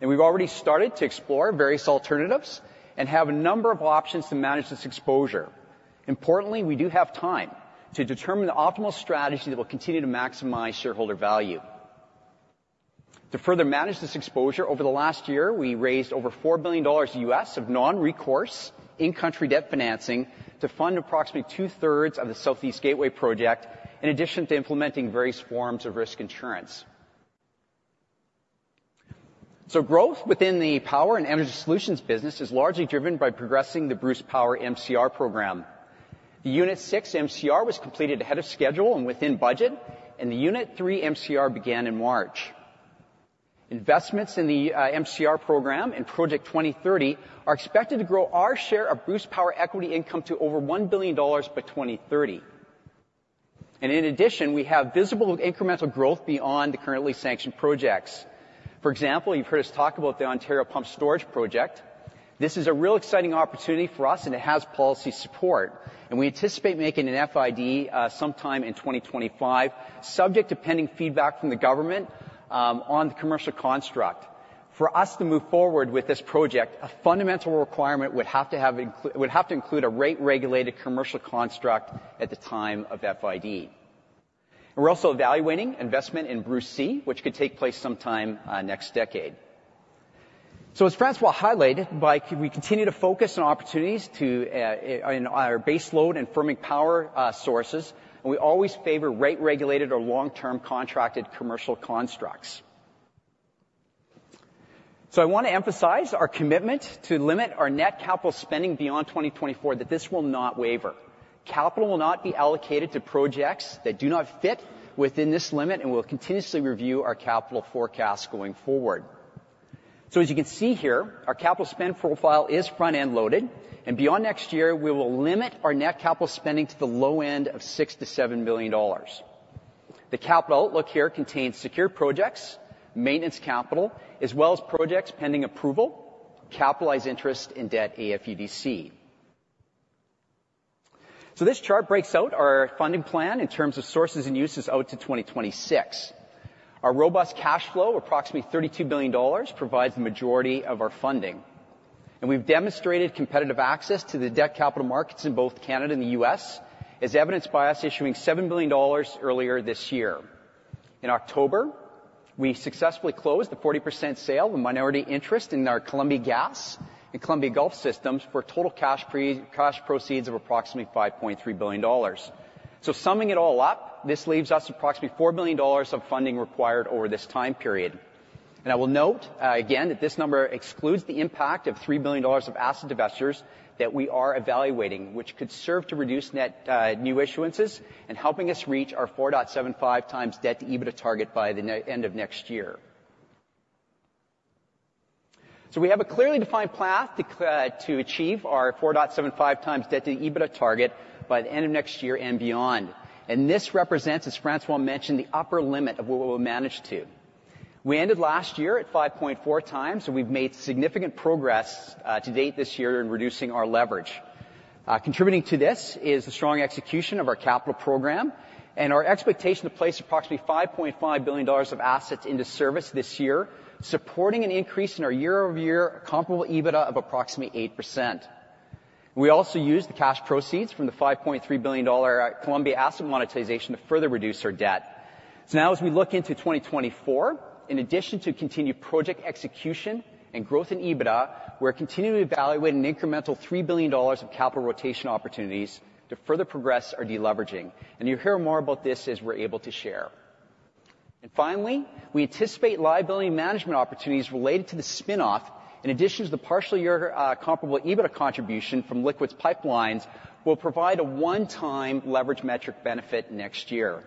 We've already started to explore various alternatives and have a number of options to manage this exposure. Importantly, we do have time to determine the optimal strategy that will continue to maximize shareholder value. To further manage this exposure, over the last year, we raised over $4 billion of non-recourse in-country debt financing to fund approximately two-thirds of the Southeast Gateway project, in addition to implementing various forms of risk insurance. Growth within the power and energy solutions business is largely driven by progressing the Bruce Power MCR program. The Unit 6 MCR was completed ahead of schedule and within budget, and the Unit 3 MCR began in March. Investments in the MCR program and Project 2030 are expected to grow our share of Bruce Power equity income to over 1 billion dollars by 2030. In addition, we have visible incremental growth beyond the currently sanctioned projects. For example, you've heard us talk about the Ontario Pumped Storage Project. This is a real exciting opportunity for us, and it has policy support, and we anticipate making an FID sometime in 2025, subject to pending feedback from the government on the commercial construct. For us to move forward with this project, a fundamental requirement would have to include a rate-regulated commercial construct at the time of FID. We're also evaluating investment in Bruce C, which could take place sometime next decade. So as François highlighted, as we continue to focus on opportunities to in on our baseload and firming power sources, and we always favor rate-regulated or long-term contracted commercial constructs. So I want to emphasize our commitment to limit our net capital spending beyond 2024, that this will not waver. Capital will not be allocated to projects that do not fit within this limit, and we'll continuously review our capital forecast going forward. So as you can see here, our capital spend profile is front-end loaded, and beyond next year, we will limit our net capital spending to the low end of 6 billion-7 billion dollars. The capital outlook here contains secure projects, maintenance capital, as well as projects pending approval, capitalized interest in debt, AFUDC. So this chart breaks out our funding plan in terms of sources and uses out to 2026. Our robust cash flow, approximately $32 billion, provides the majority of our funding, and we've demonstrated competitive access to the debt capital markets in both Canada and the U.S., as evidenced by us issuing $7 billion earlier this year. In October, we successfully closed the 40% sale of minority interest in our Columbia Gas and Columbia Gulf systems for total cash proceeds of approximately $5.3 billion. So summing it all up, this leaves us approximately $4 billion of funding required over this time period. I will note, again, that this number excludes the impact of 3 billion dollars of asset divestitures that we are evaluating, which could serve to reduce net new issuances and helping us reach our 4.75 times debt-to-EBITDA target by the end of next year. So we have a clearly defined path to achieve our 4.75 times debt-to-EBITDA target by the end of next year and beyond. And this represents, as François mentioned, the upper limit of what we'll manage to. We ended last year at 5.4 times, so we've made significant progress to date this year in reducing our leverage. Contributing to this is the strong execution of our capital program and our expectation to place approximately $5.5 billion of assets into service this year, supporting an increase in our year-over-year comparable EBITDA of approximately 8%. We also used the cash proceeds from the $5.3 billion Columbia asset monetization to further reduce our debt. So now as we look into 2024, in addition to continued project execution and growth in EBITDA, we're continuing to evaluate an incremental $3 billion of capital rotation opportunities to further progress our deleveraging. And you'll hear more about this as we're able to share. And finally, we anticipate liability management opportunities related to the spin-off, in addition to the partial year comparable EBITDA contribution from liquids pipelines, will provide a one-time leverage metric benefit next year.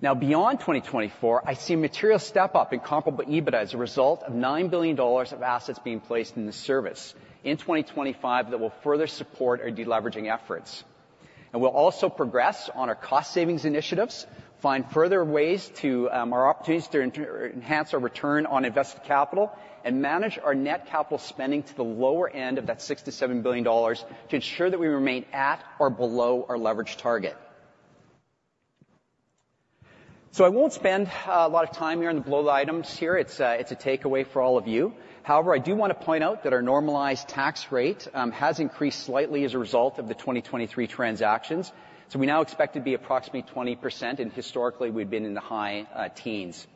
Now, beyond 2024, I see a material step-up in comparable EBITDA as a result of 9 billion dollars of assets being placed in service in 2025 that will further support our deleveraging efforts. We'll also progress on our cost savings initiatives, find further ways to our opportunities to inter-enhance our return on invested capital, and manage our net capital spending to the lower end of that 6 billion-7 billion dollars to ensure that we remain at or below our leverage target. So I won't spend a lot of time here on the below items here. It's a takeaway for all of you. However, I do want to point out that our normalized tax rate has increased slightly as a result of the 2023 transactions, so we now expect to be approximately 20%, and historically, we've been in the high teens.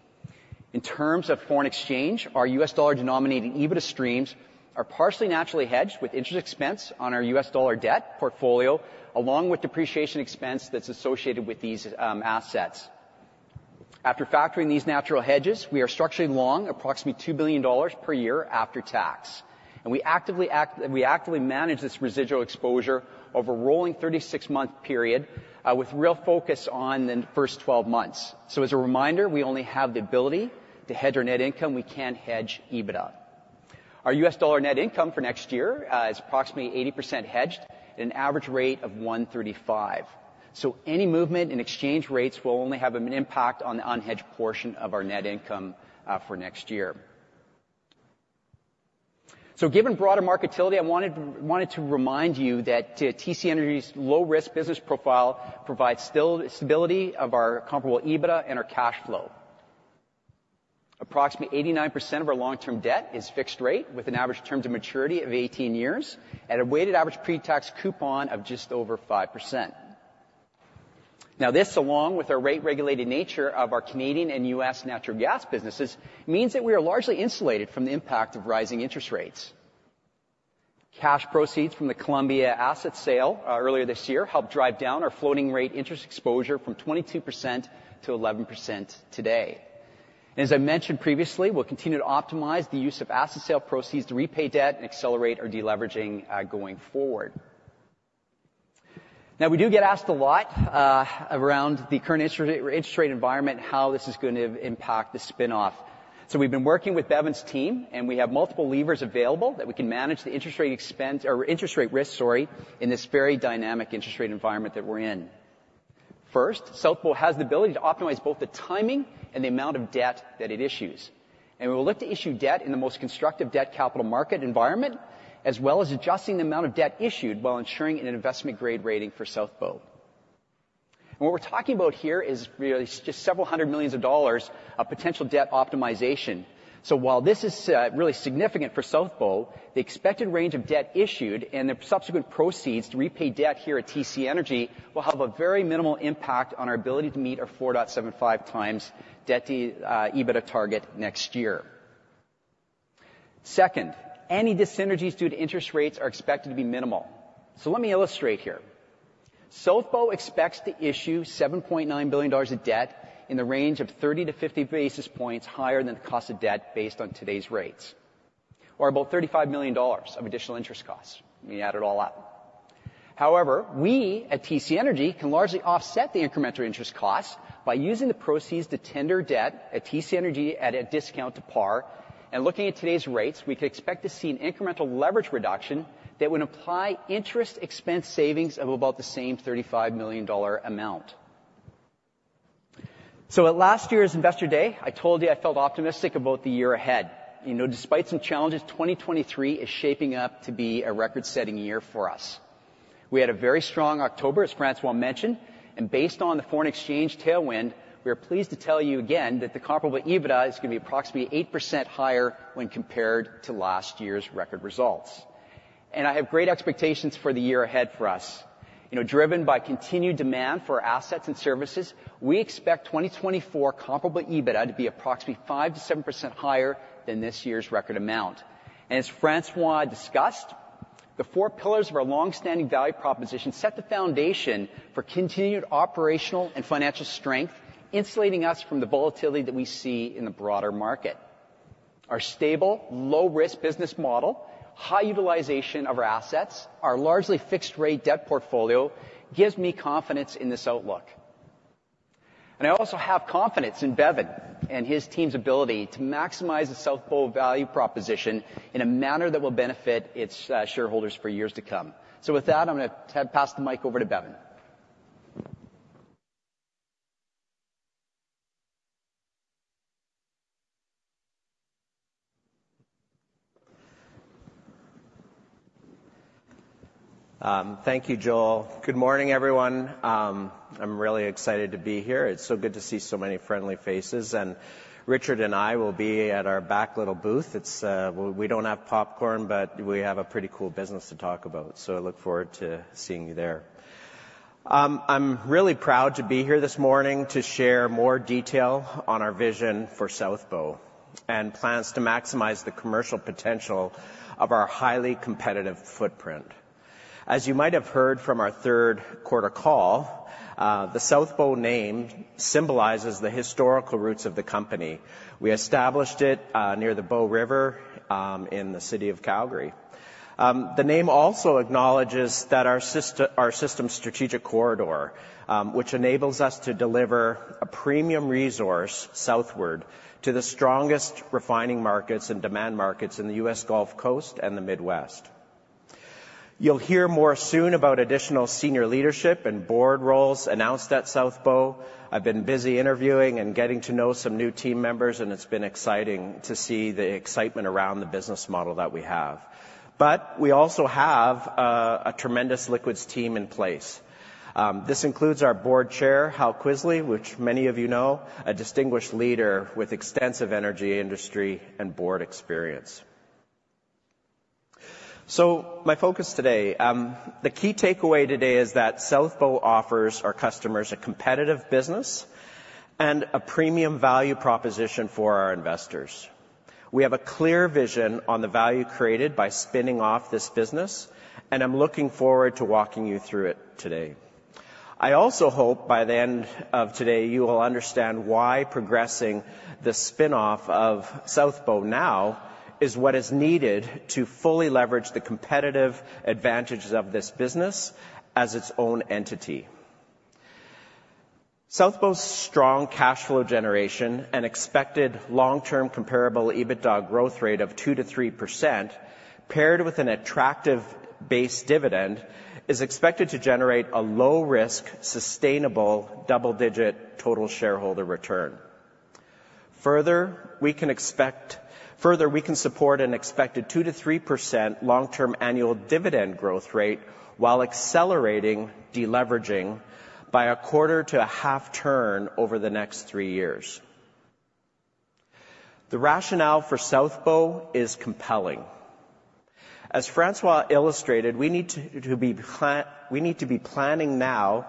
In terms of foreign exchange, our U.S. dollar-denominated EBITDA streams are partially naturally hedged with interest expense on our U.S. dollar debt portfolio, along with depreciation expense that's associated with these assets. After factoring these natural hedges, we are structurally long approximately $2 billion per year after tax. We actively manage this residual exposure over a rolling 36-month period with real focus on the first 12 months. So as a reminder, we only have the ability to hedge our net income. We can't hedge EBITDA. Our U.S. dollar net income for next year is approximately 80% hedged at an average rate of 1.35. So any movement in exchange rates will only have an impact on the unhedged portion of our net income for next year. So given broader market utility, I wanted to remind you that TC Energy's low-risk business profile provides still stability of our comparable EBITDA and our cash flow. Approximately 89% of our long-term debt is fixed rate, with an average term to maturity of 18 years and a weighted average pretax coupon of just over 5%. Now, this, along with our rate-regulated nature of our Canadian and U.S. natural gas businesses, means that we are largely insulated from the impact of rising interest rates. Cash proceeds from the Columbia asset sale earlier this year helped drive down our floating rate interest exposure from 22% to 11% today. As I mentioned previously, we'll continue to optimize the use of asset sale proceeds to repay debt and accelerate our deleveraging going forward. Now, we do get asked a lot around the current interest rate, interest rate environment and how this is going to impact the spin-off. So we've been working with Bevin's team, and we have multiple levers available that we can manage the interest rate expense or interest rate risk, sorry, in this very dynamic interest rate environment that we're in. First, South Bow has the ability to optimize both the timing and the amount of debt that it issues, and we will look to issue debt in the most constructive debt capital market environment, as well as adjusting the amount of debt issued while ensuring an investment-grade rating for South Bow. And what we're talking about here is really just several hundred million dollars of potential debt optimization. So while this is really significant for South Bow, the expected range of debt issued and the subsequent proceeds to repay debt here at TC Energy will have a very minimal impact on our ability to meet our 4.75 times debt to EBITDA target next year. Second, any dyssynergies due to interest rates are expected to be minimal. So let me illustrate here. South Bow expects to issue $7.9 billion of debt in the range of 30-50 basis points higher than the cost of debt based on today's rates, or about $35 million of additional interest costs when you add it all up. However, we at TC Energy can largely offset the incremental interest costs by using the proceeds to tender debt at TC Energy at a discount to par. Looking at today's rates, we could expect to see an incremental leverage reduction that would imply interest expense savings of about the same $35 million amount. At last year's Investor Day, I told you I felt optimistic about the year ahead. You know, despite some challenges, 2023 is shaping up to be a record-setting year for us. We had a very strong October, as François mentioned, and based on the foreign exchange tailwind, we are pleased to tell you again that the comparable EBITDA is going to be approximately 8% higher when compared to last year's record results. I have great expectations for the year ahead for us. You know, driven by continued demand for our assets and services, we expect 2024 comparable EBITDA to be approximately 5%-7% higher than this year's record amount. As François discussed, the four pillars of our long-standing value proposition set the foundation for continued operational and financial strength, insulating us from the volatility that we see in the broader market. Our stable, low-risk business model, high utilization of our assets, our largely fixed-rate debt portfolio, gives me confidence in this outlook. I also have confidence in Bevin and his team's ability to maximize the South Bow value proposition in a manner that will benefit its shareholders for years to come. So with that, I'm gonna pass the mic over to Bevin. Thank you, Joel. Good morning, everyone. I'm really excited to be here. It's so good to see so many friendly faces, and Richard and I will be at our back little booth. It's... We don't have popcorn, but we have a pretty cool business to talk about, so I look forward to seeing you there. I'm really proud to be here this morning to share more detail on our vision for South Bow and plans to maximize the commercial potential of our highly competitive footprint. As you might have heard from our third quarter call, the South Bow name symbolizes the historical roots of the company. We established it, near the Bow River, in the city of Calgary. The name also acknowledges that our system's strategic corridor, which enables us to deliver a premium resource southward to the strongest refining markets and demand markets in the U.S. Gulf Coast and the Midwest. You'll hear more soon about additional senior leadership and board roles announced at South Bow. I've been busy interviewing and getting to know some new team members, and it's been exciting to see the excitement around the business model that we have. But we also have a tremendous liquids team in place. This includes our Board Chair, Hal Kvisle, which many of you know, a distinguished leader with extensive energy, industry, and board experience. So my focus today, the key takeaway today is that South Bow offers our customers a competitive business and a premium value proposition for our investors... We have a clear vision on the value created by spinning off this business, and I'm looking forward to walking you through it today. I also hope by the end of today, you will understand why progressing the spin-off of South Bow now is what is needed to fully leverage the competitive advantages of this business as its own entity. South Bow's strong cash flow generation and expected long-term comparable EBITDA growth rate of 2%-3%, paired with an attractive base dividend, is expected to generate a low-risk, sustainable double-digit total shareholder return. Further, we can support an expected 2%-3% long-term annual dividend growth rate while accelerating de-leveraging by a quarter to a half turn over the next three years. The rationale for South Bow is compelling. As François illustrated, we need to be planning now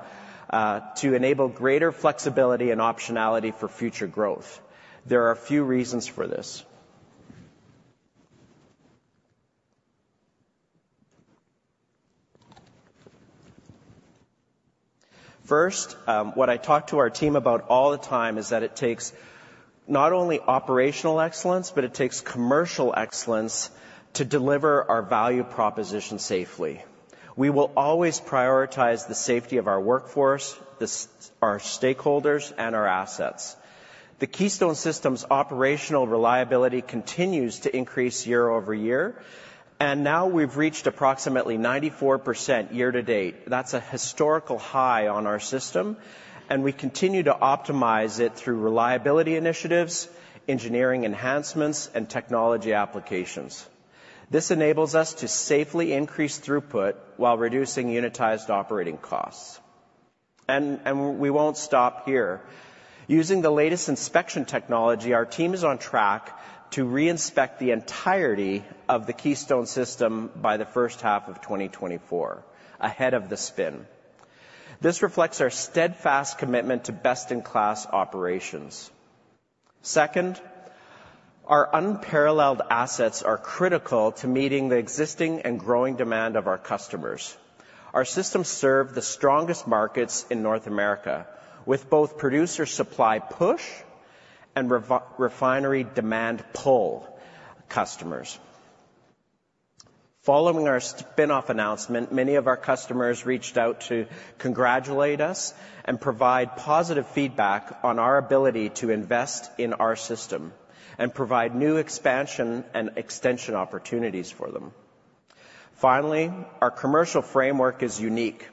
to enable greater flexibility and optionality for future growth. There are a few reasons for this. First, what I talk to our team about all the time is that it takes not only operational excellence, but it takes commercial excellence to deliver our value proposition safely. We will always prioritize the safety of our workforce, our stakeholders, and our assets. The Keystone system's operational reliability continues to increase year-over-year, and now we've reached approximately 94% year to date. That's a historical high on our system, and we continue to optimize it through reliability initiatives, engineering enhancements, and technology applications. This enables us to safely increase throughput while reducing unitized operating costs. And we won't stop here. Using the latest inspection technology, our team is on track to reinspect the entirety of the Keystone system by the first half of 2024, ahead of the spin. This reflects our steadfast commitment to best-in-class operations. Second, our unparalleled assets are critical to meeting the existing and growing demand of our customers. Our systems serve the strongest markets in North America, with both producer supply push and refinery demand pull customers. Following our spin-off announcement, many of our customers reached out to congratulate us and provide positive feedback on our ability to invest in our system and provide new expansion and extension opportunities for them. Finally, our commercial framework is unique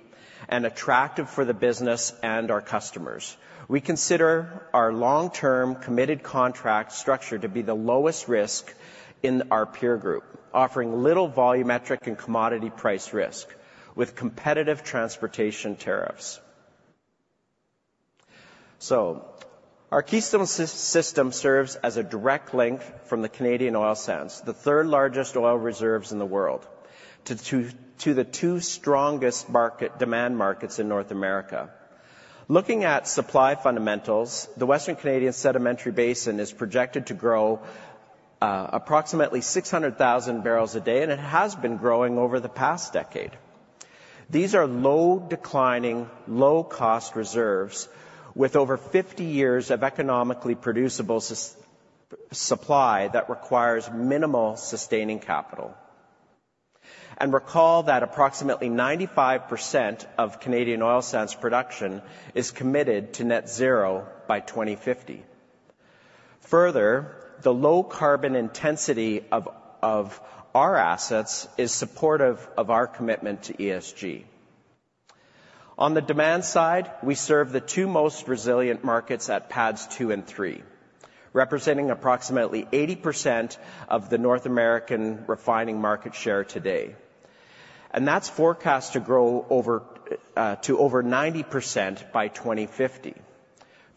and attractive for the business and our customers. We consider our long-term committed contract structure to be the lowest risk in our peer group, offering little volumetric and commodity price risk with competitive transportation tariffs. So our Keystone system serves as a direct link from the Canadian oil sands, the third-largest oil reserves in the world, to the two strongest market demand markets in North America. Looking at supply fundamentals, the Western Canadian Sedimentary Basin is projected to grow approximately 600,000 barrels a day, and it has been growing over the past decade. These are low-declining, low-cost reserves with over 50 years of economically producible supply that requires minimal sustaining capital. And recall that approximately 95% of Canadian oil sands production is committed to net zero by 2050. Further, the low carbon intensity of our assets is supportive of our commitment to ESG. On the demand side, we serve the two most resilient markets at PADD 2 and 3, representing approximately 80% of the North American refining market share today, and that's forecast to grow over to over 90% by 2050.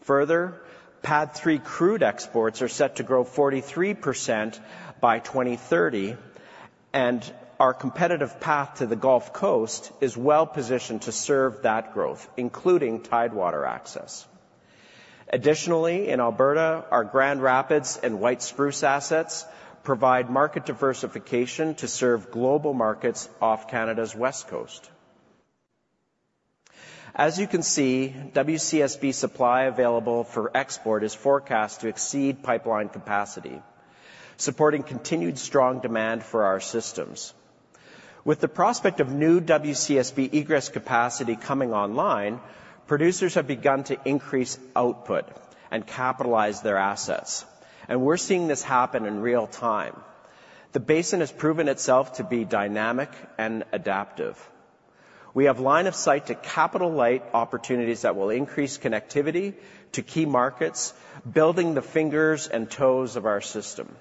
Further, PADD 3 crude exports are set to grow 43% by 2030, and our competitive path to the Gulf Coast is well-positioned to serve that growth, including tidewater access. Additionally, in Alberta, our Grand Rapids and White Spruce assets provide market diversification to serve global markets off Canada's west coast. As you can see, WCSB supply available for export is forecast to exceed pipeline capacity, supporting continued strong demand for our systems. With the prospect of new WCSB egress capacity coming online, producers have begun to increase output and capitalize their assets, and we're seeing this happen in real time. The basin has proven itself to be dynamic and adaptive. We have line of sight to capital-light opportunities that will increase connectivity to key markets, building the fingers and toes of our system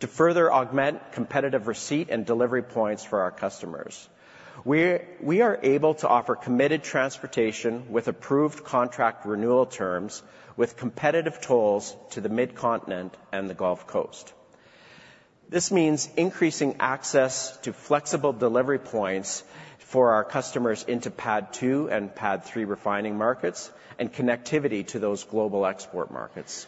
to further augment competitive receipt and delivery points for our customers. We are able to offer committed transportation with approved contract renewal terms, with competitive tolls to the Mid-Continent and the Gulf Coast. This means increasing access to flexible delivery points for our customers into PADD 2 and PADD 3 refining markets, and connectivity to those global export markets.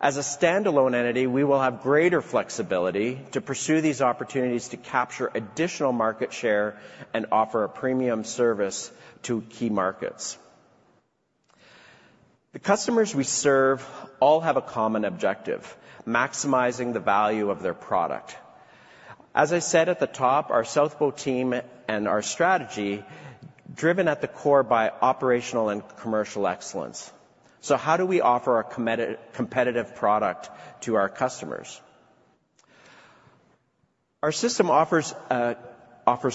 As a standalone entity, we will have greater flexibility to pursue these opportunities to capture additional market share and offer a premium service to key markets. The customers we serve all have a common objective: maximizing the value of their product. As I said at the top, our South Bow team and our strategy, driven at the core by operational and commercial excellence. So how do we offer a competitive product to our customers? Our system offers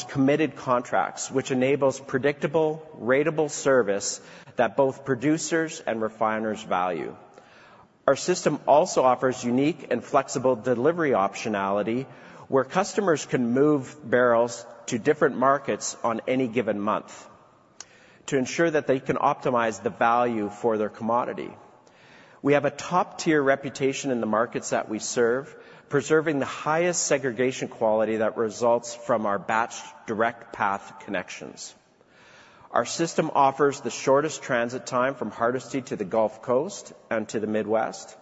committed contracts, which enables predictable, ratable service that both producers and refiners value. Our system also offers unique and flexible delivery optionality, where customers can move barrels to different markets on any given month to ensure that they can optimize the value for their commodity. We have a top-tier reputation in the markets that we serve, preserving the highest segregation quality that results from our batch direct path connections. Our system offers the shortest transit time from Hardisty to the Gulf Coast and to the Midwest.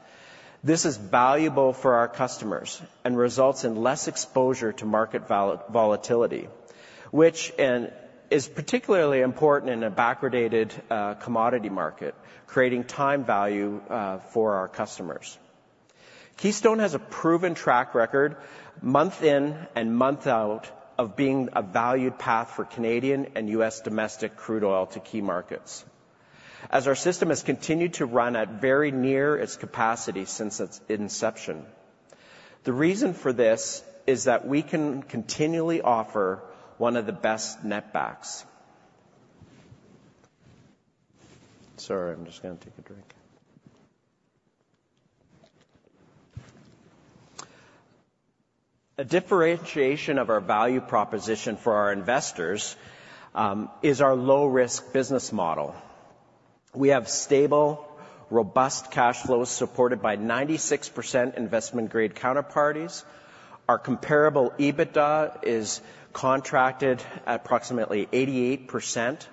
This is valuable for our customers and results in less exposure to market volatility, which is particularly important in a backwardated commodity market, creating time value for our customers. Keystone has a proven track record, month in and month out, of being a valued path for Canadian and U.S. domestic crude oil to key markets. As our system has continued to run at very near its capacity since its inception, the reason for this is that we can continually offer one of the best netbacks. Sorry, I'm just gonna take a drink. A differentiation of our value proposition for our investors is our low-risk business model. We have stable, robust cash flows, supported by 96% investment-grade counterparties. Our comparable EBITDA is contracted at approximately 88%,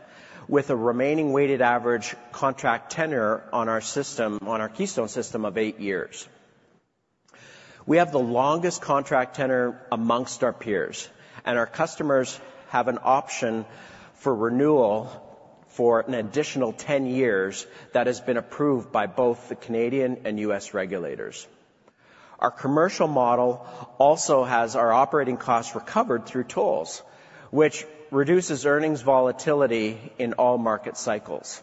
with a remaining weighted average contract tenure on our system, on our Keystone system, of 8 years. We have the longest contract tenure among our peers, and our customers have an option for renewal for an additional 10 years that has been approved by both the Canadian and U.S. regulators. Our commercial model also has our operating costs recovered through tolls, which reduces earnings volatility in all market cycles.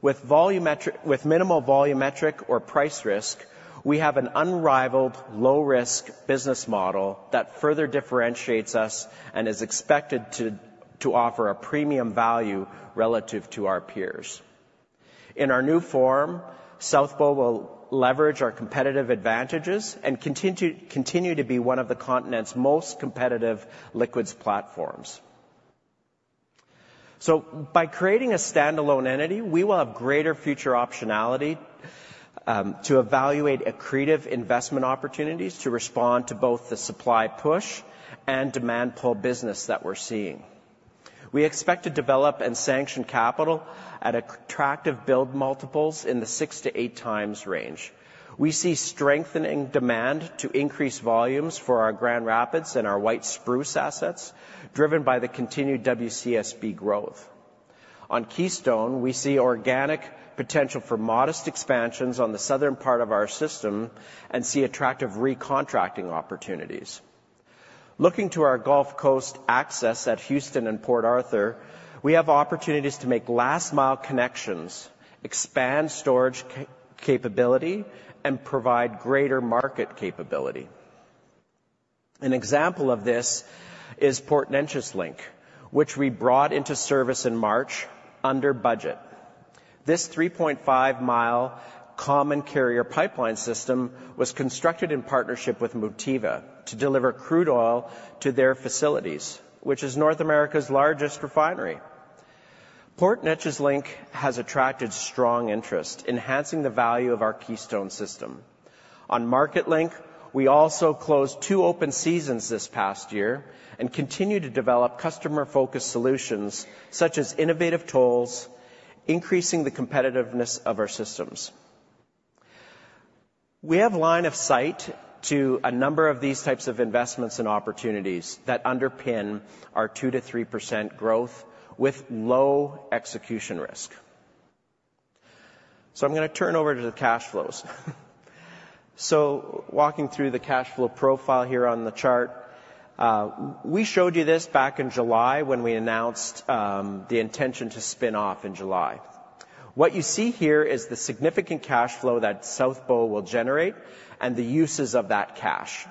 With minimal volumetric or price risk, we have an unrivaled low-risk business model that further differentiates us and is expected to offer a premium value relative to our peers. In our new form, South Bow will leverage our competitive advantages and continue to be one of the continent's most competitive liquids platforms. By creating a standalone entity, we will have greater future optionality to evaluate accretive investment opportunities to respond to both the supply push and demand pull business that we're seeing. We expect to develop and sanction capital at attractive build multiples in the 6-8x range. We see strengthening demand to increase volumes for our Grand Rapids and our White Spruce assets, driven by the continued WCSB growth. On Keystone, we see organic potential for modest expansions on the southern part of our system and see attractive recontracting opportunities. Looking to our Gulf Coast access at Houston and Port Arthur, we have opportunities to make last-mile connections, expand storage capability, and provide greater market capability. An example of this is Port Neches Link, which we brought into service in March under budget. This 3.5-mile common carrier pipeline system was constructed in partnership with Motiva to deliver crude oil to their facilities, which is North America's largest refinery. Port Neches Link has attracted strong interest, enhancing the value of our Keystone system. On MarketLink, we also closed two open seasons this past year and continue to develop customer-focused solutions such as innovative tolls, increasing the competitiveness of our systems. We have line of sight to a number of these types of investments and opportunities that underpin our 2%-3% growth with low execution risk. So I'm gonna turn over to the cash flows. So walking through the cash flow profile here on the chart, we showed you this back in July when we announced the intention to spin off in July. What you see here is the significant cash flow that South Bow will generate and the uses of that cash.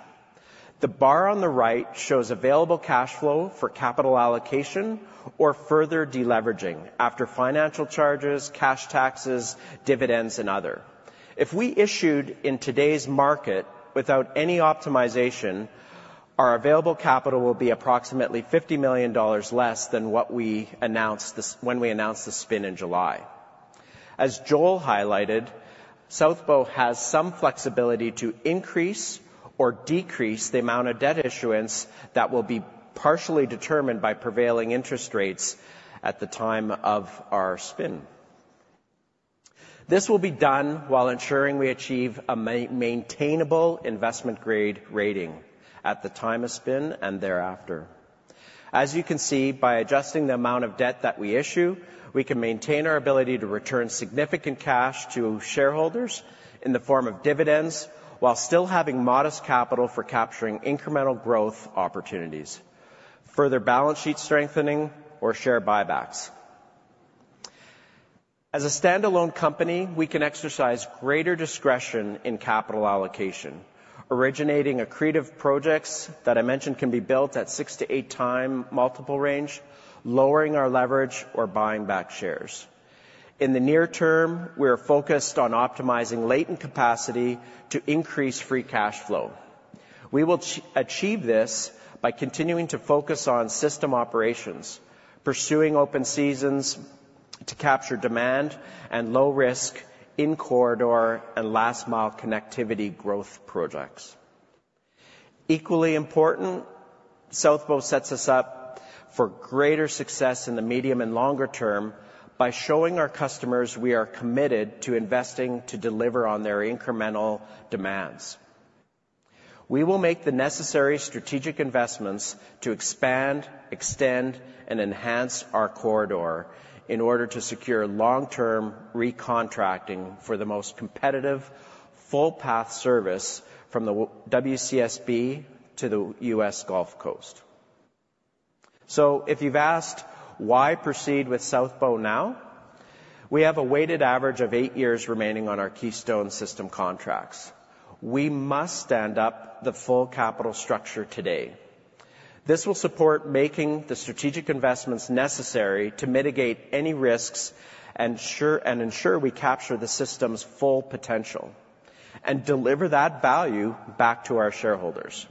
The bar on the right shows available cash flow for capital allocation or further deleveraging after financial charges, cash taxes, dividends, and other. If we issued in today's market without any optimization, our available capital will be approximately $50 million less than what we announced when we announced the spin in July. As Joel highlighted, South Bow has some flexibility to increase or decrease the amount of debt issuance that will be partially determined by prevailing interest rates at the time of our spin. This will be done while ensuring we achieve a maintainable investment grade rating at the time of spin and thereafter. As you can see, by adjusting the amount of debt that we issue, we can maintain our ability to return significant cash to shareholders in the form of dividends, while still having modest capital for capturing incremental growth opportunities, further balance sheet strengthening, or share buybacks. As a standalone company, we can exercise greater discretion in capital allocation, originating accretive projects that I mentioned can be built at 6-8x multiple range, lowering our leverage or buying back shares. In the near term, we are focused on optimizing latent capacity to increase free cash flow. We will achieve this by continuing to focus on system operations, pursuing open seasons to capture demand and low risk in corridor and last mile connectivity growth projects. Equally important, South Bow sets us up for greater success in the medium and longer term by showing our customers we are committed to investing to deliver on their incremental demands. We will make the necessary strategic investments to expand, extend, and enhance our corridor in order to secure long-term recontracting for the most competitive, full path service from the WCSB to the U.S. Gulf Coast. So if you've asked why proceed with South Bow now? We have a weighted average of eight years remaining on our Keystone system contracts. We must stand up the full capital structure today. This will support making the strategic investments necessary to mitigate any risks, and ensure we capture the system's full potential, and deliver that value back to our shareholders.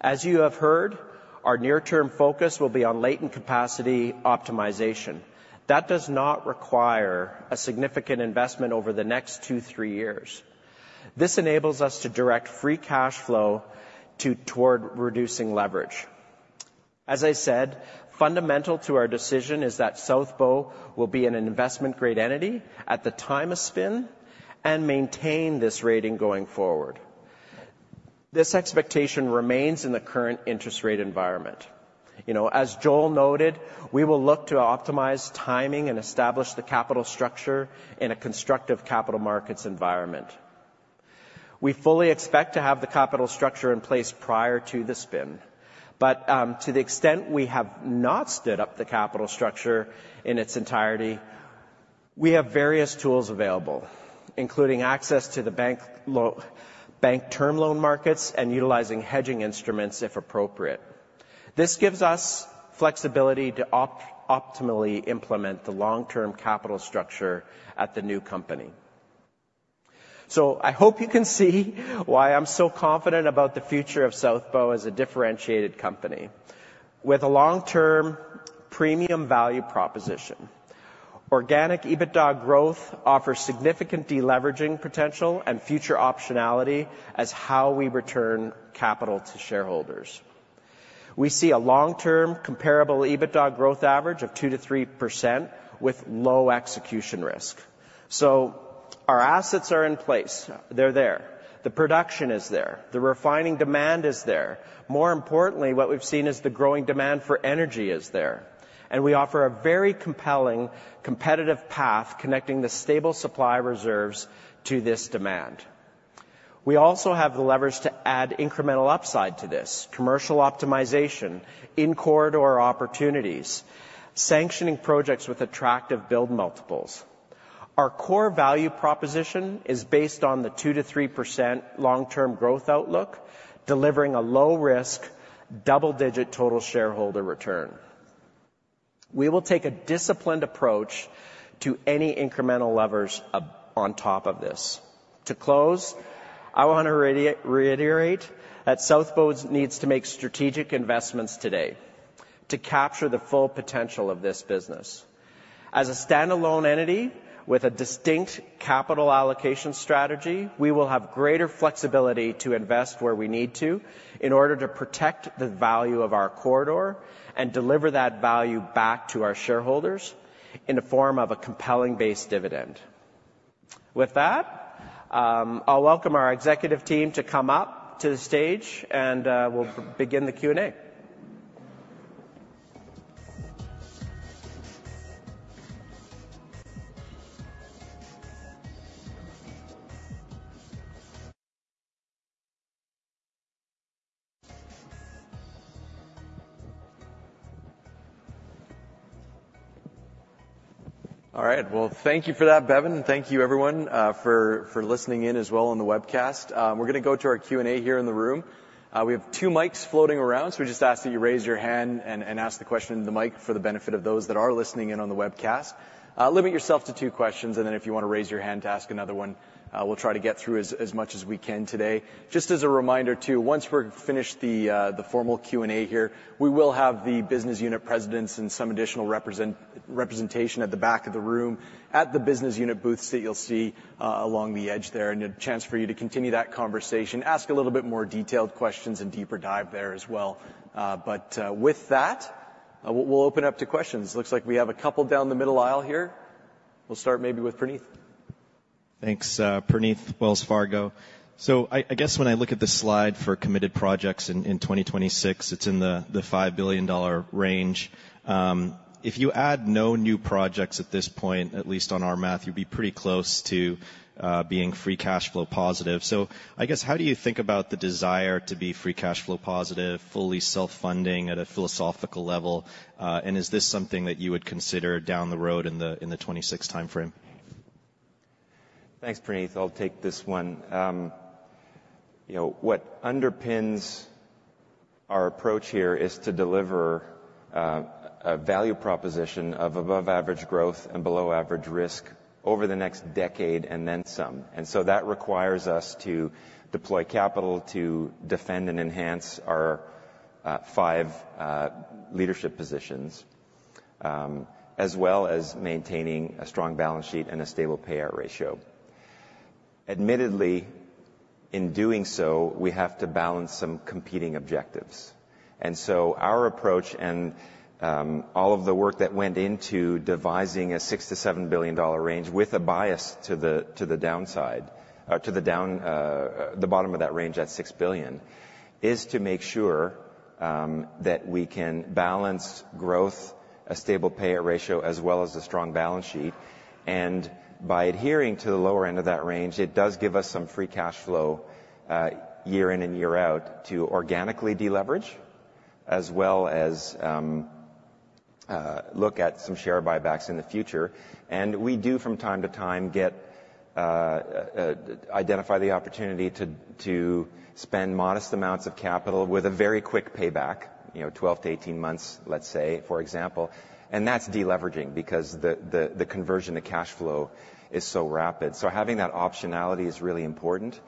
As you have heard, our near-term focus will be on latent capacity optimization. That does not require a significant investment over the next two, three years. This enables us to direct free cash flow toward reducing leverage. As I said, fundamental to our decision is that South Bow will be an investment-grade entity at the time of spin, and maintain this rating going forward. This expectation remains in the current interest rate environment. You know, as Joel noted, we will look to optimize timing and establish the capital structure in a constructive capital markets environment. We fully expect to have the capital structure in place prior to the spin, but to the extent we have not stood up the capital structure in its entirety, we have various tools available, including access to the bank term loan markets and utilizing hedging instruments, if appropriate. This gives us flexibility to optimally implement the long-term capital structure at the new company. So I hope you can see why I'm so confident about the future of South Bow as a differentiated company with a long-term premium value proposition. Organic EBITDA growth offers significant deleveraging potential and future optionality as how we return capital to shareholders. We see a long-term comparable EBITDA growth average of 2%-3%, with low execution risk. So our assets are in place. They're there. The production is there. The refining demand is there. More importantly, what we've seen is the growing demand for energy is there, and we offer a very compelling, competitive path, connecting the stable supply reserves to this demand. We also have the leverage to add incremental upside to this commercial optimization in corridor opportunities, sanctioning projects with attractive build multiples. Our core value proposition is based on the 2%-3% long-term growth outlook, delivering a low risk, double-digit total shareholder return. We will take a disciplined approach to any incremental levers on top of this. To close, I want to reiterate that South Bow needs to make strategic investments today to capture the full potential of this business. As a standalone entity with a distinct capital allocation strategy, we will have greater flexibility to invest where we need to in order to protect the value of our corridor and deliver that value back to our shareholders in the form of a compelling base dividend. With that, I'll welcome our executive team to come up to the stage, and we'll begin the Q&A. All right. Well, thank you for that, Bevin, and thank you everyone for listening in as well on the webcast. We're gonna go to our Q&A here in the room. We have two mics floating around, so we just ask that you raise your hand and ask the question in the mic for the benefit of those that are listening in on the webcast. Limit yourself to two questions, and then if you wanna raise your hand to ask another one, we'll try to get through as much as we can today. Just as a reminder, too, once we're finished the formal Q&A here, we will have the business unit presidents and some additional representation at the back of the room, at the business unit booths that you'll see along the edge there, and a chance for you to continue that conversation, ask a little bit more detailed questions and deeper dive there as well. But with that...... We'll open up to questions. Looks like we have a couple down the middle aisle here. We'll start maybe with Praneeth. Thanks. Praneeth, Wells Fargo. So I, I guess when I look at the slide for committed projects in 2026, it's in the $5 billion range. If you add no new projects at this point, at least on our math, you'd be pretty close to being free cash flow positive. So I guess, how do you think about the desire to be free cash flow positive, fully self-funding at a philosophical level, and is this something that you would consider down the road in the 2026 timeframe? Thanks, Praneeth. I'll take this one. You know, what underpins our approach here is to deliver a value proposition of above average growth and below average risk over the next decade and then some. And so that requires us to deploy capital to defend and enhance our 5 leadership positions, as well as maintaining a strong balance sheet and a stable payout ratio. Admittedly, in doing so, we have to balance some competing objectives. And so our approach and all of the work that went into devising a $6 billion-$7 billion range with a bias to the downside, to the bottom of that range at $6 billion, is to make sure that we can balance growth, a stable payout ratio, as well as a strong balance sheet. By adhering to the lower end of that range, it does give us some free cash flow year in and year out to organically deleverage, as well as look at some share buybacks in the future. We do, from time to time, identify the opportunity to spend modest amounts of capital with a very quick payback, you know, 12-18 months, let's say, for example, and that's deleveraging because the conversion to cash flow is so rapid. Having that optionality is really important.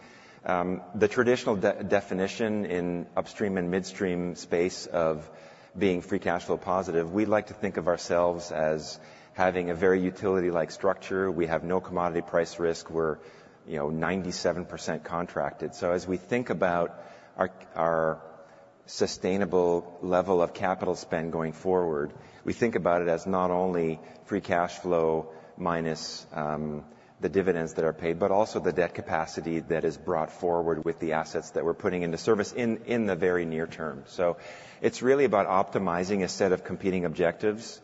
The traditional definition in upstream and midstream space of being free cash flow positive, we like to think of ourselves as having a very utility-like structure. We have no commodity price risk. We're, you know, 97% contracted. So as we think about our sustainable level of capital spend going forward, we think about it as not only free cash flow minus the dividends that are paid, but also the debt capacity that is brought forward with the assets that we're putting into service in the very near term. So it's really about optimizing a set of competing objectives,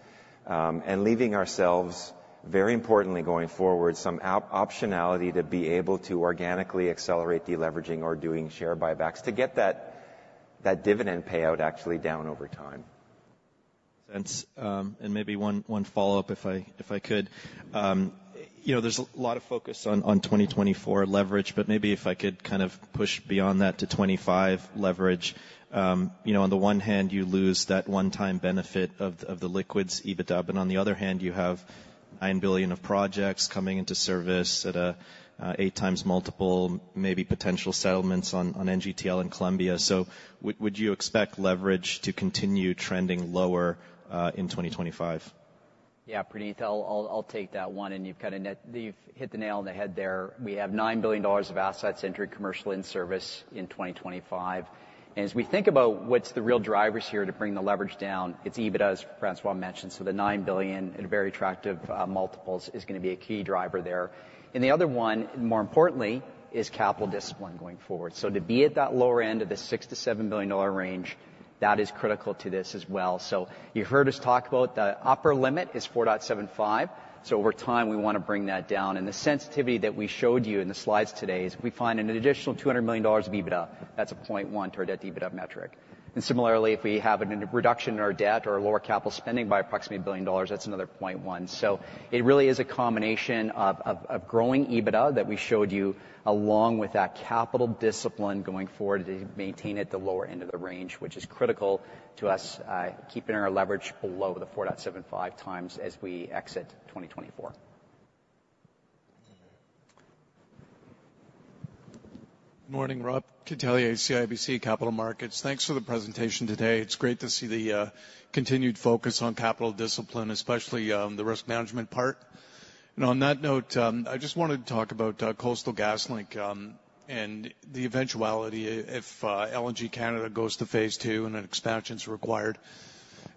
and leaving ourselves, very importantly, going forward, some optionality to be able to organically accelerate deleveraging or doing share buybacks to get that dividend payout actually down over time. Thanks. And maybe one follow-up, if I could. You know, there's a lot of focus on 2024 leverage, but maybe if I could kind of push beyond that to 2025 leverage. You know, on the one hand, you lose that one-time benefit of the liquids EBITDA, but on the other hand, you have 9 billion of projects coming into service at a 8x multiple, maybe potential settlements on NGTL and Columbia. So would you expect leverage to continue trending lower in 2025? Yeah, Praneeth, I'll take that one, and you've kind of hit the nail on the head there. We have 9 billion dollars of assets entering commercial in service in 2025. And as we think about what's the real drivers here to bring the leverage down, it's EBITDA, as François mentioned. So the 9 billion at a very attractive multiples is gonna be a key driver there. And the other one, more importantly, is capital discipline going forward. So to be at that lower end of the 6 billion-7 billion dollar range, that is critical to this as well. So you heard us talk about the upper limit is 4.75. So over time, we wanna bring that down, and the sensitivity that we showed you in the slides today is we find an additional 200 million dollars of EBITDA, that's a 0.1 to our debt-to-EBITDA metric. And similarly, if we have a reduction in our debt or a lower capital spending by approximately 1 billion dollars, that's another 0.1. So it really is a combination of growing EBITDA that we showed you, along with that capital discipline going forward, to maintain at the lower end of the range, which is critical to us, keeping our leverage below the 4.75 times as we exit 2024. Good morning, Robert Catellier, CIBC Capital Markets. Thanks for the presentation today. It's great to see the continued focus on capital discipline, especially the risk management part. And on that note, I just wanted to talk about Coastal GasLink and the eventuality if LNG Canada goes to phase two and an expansion is required.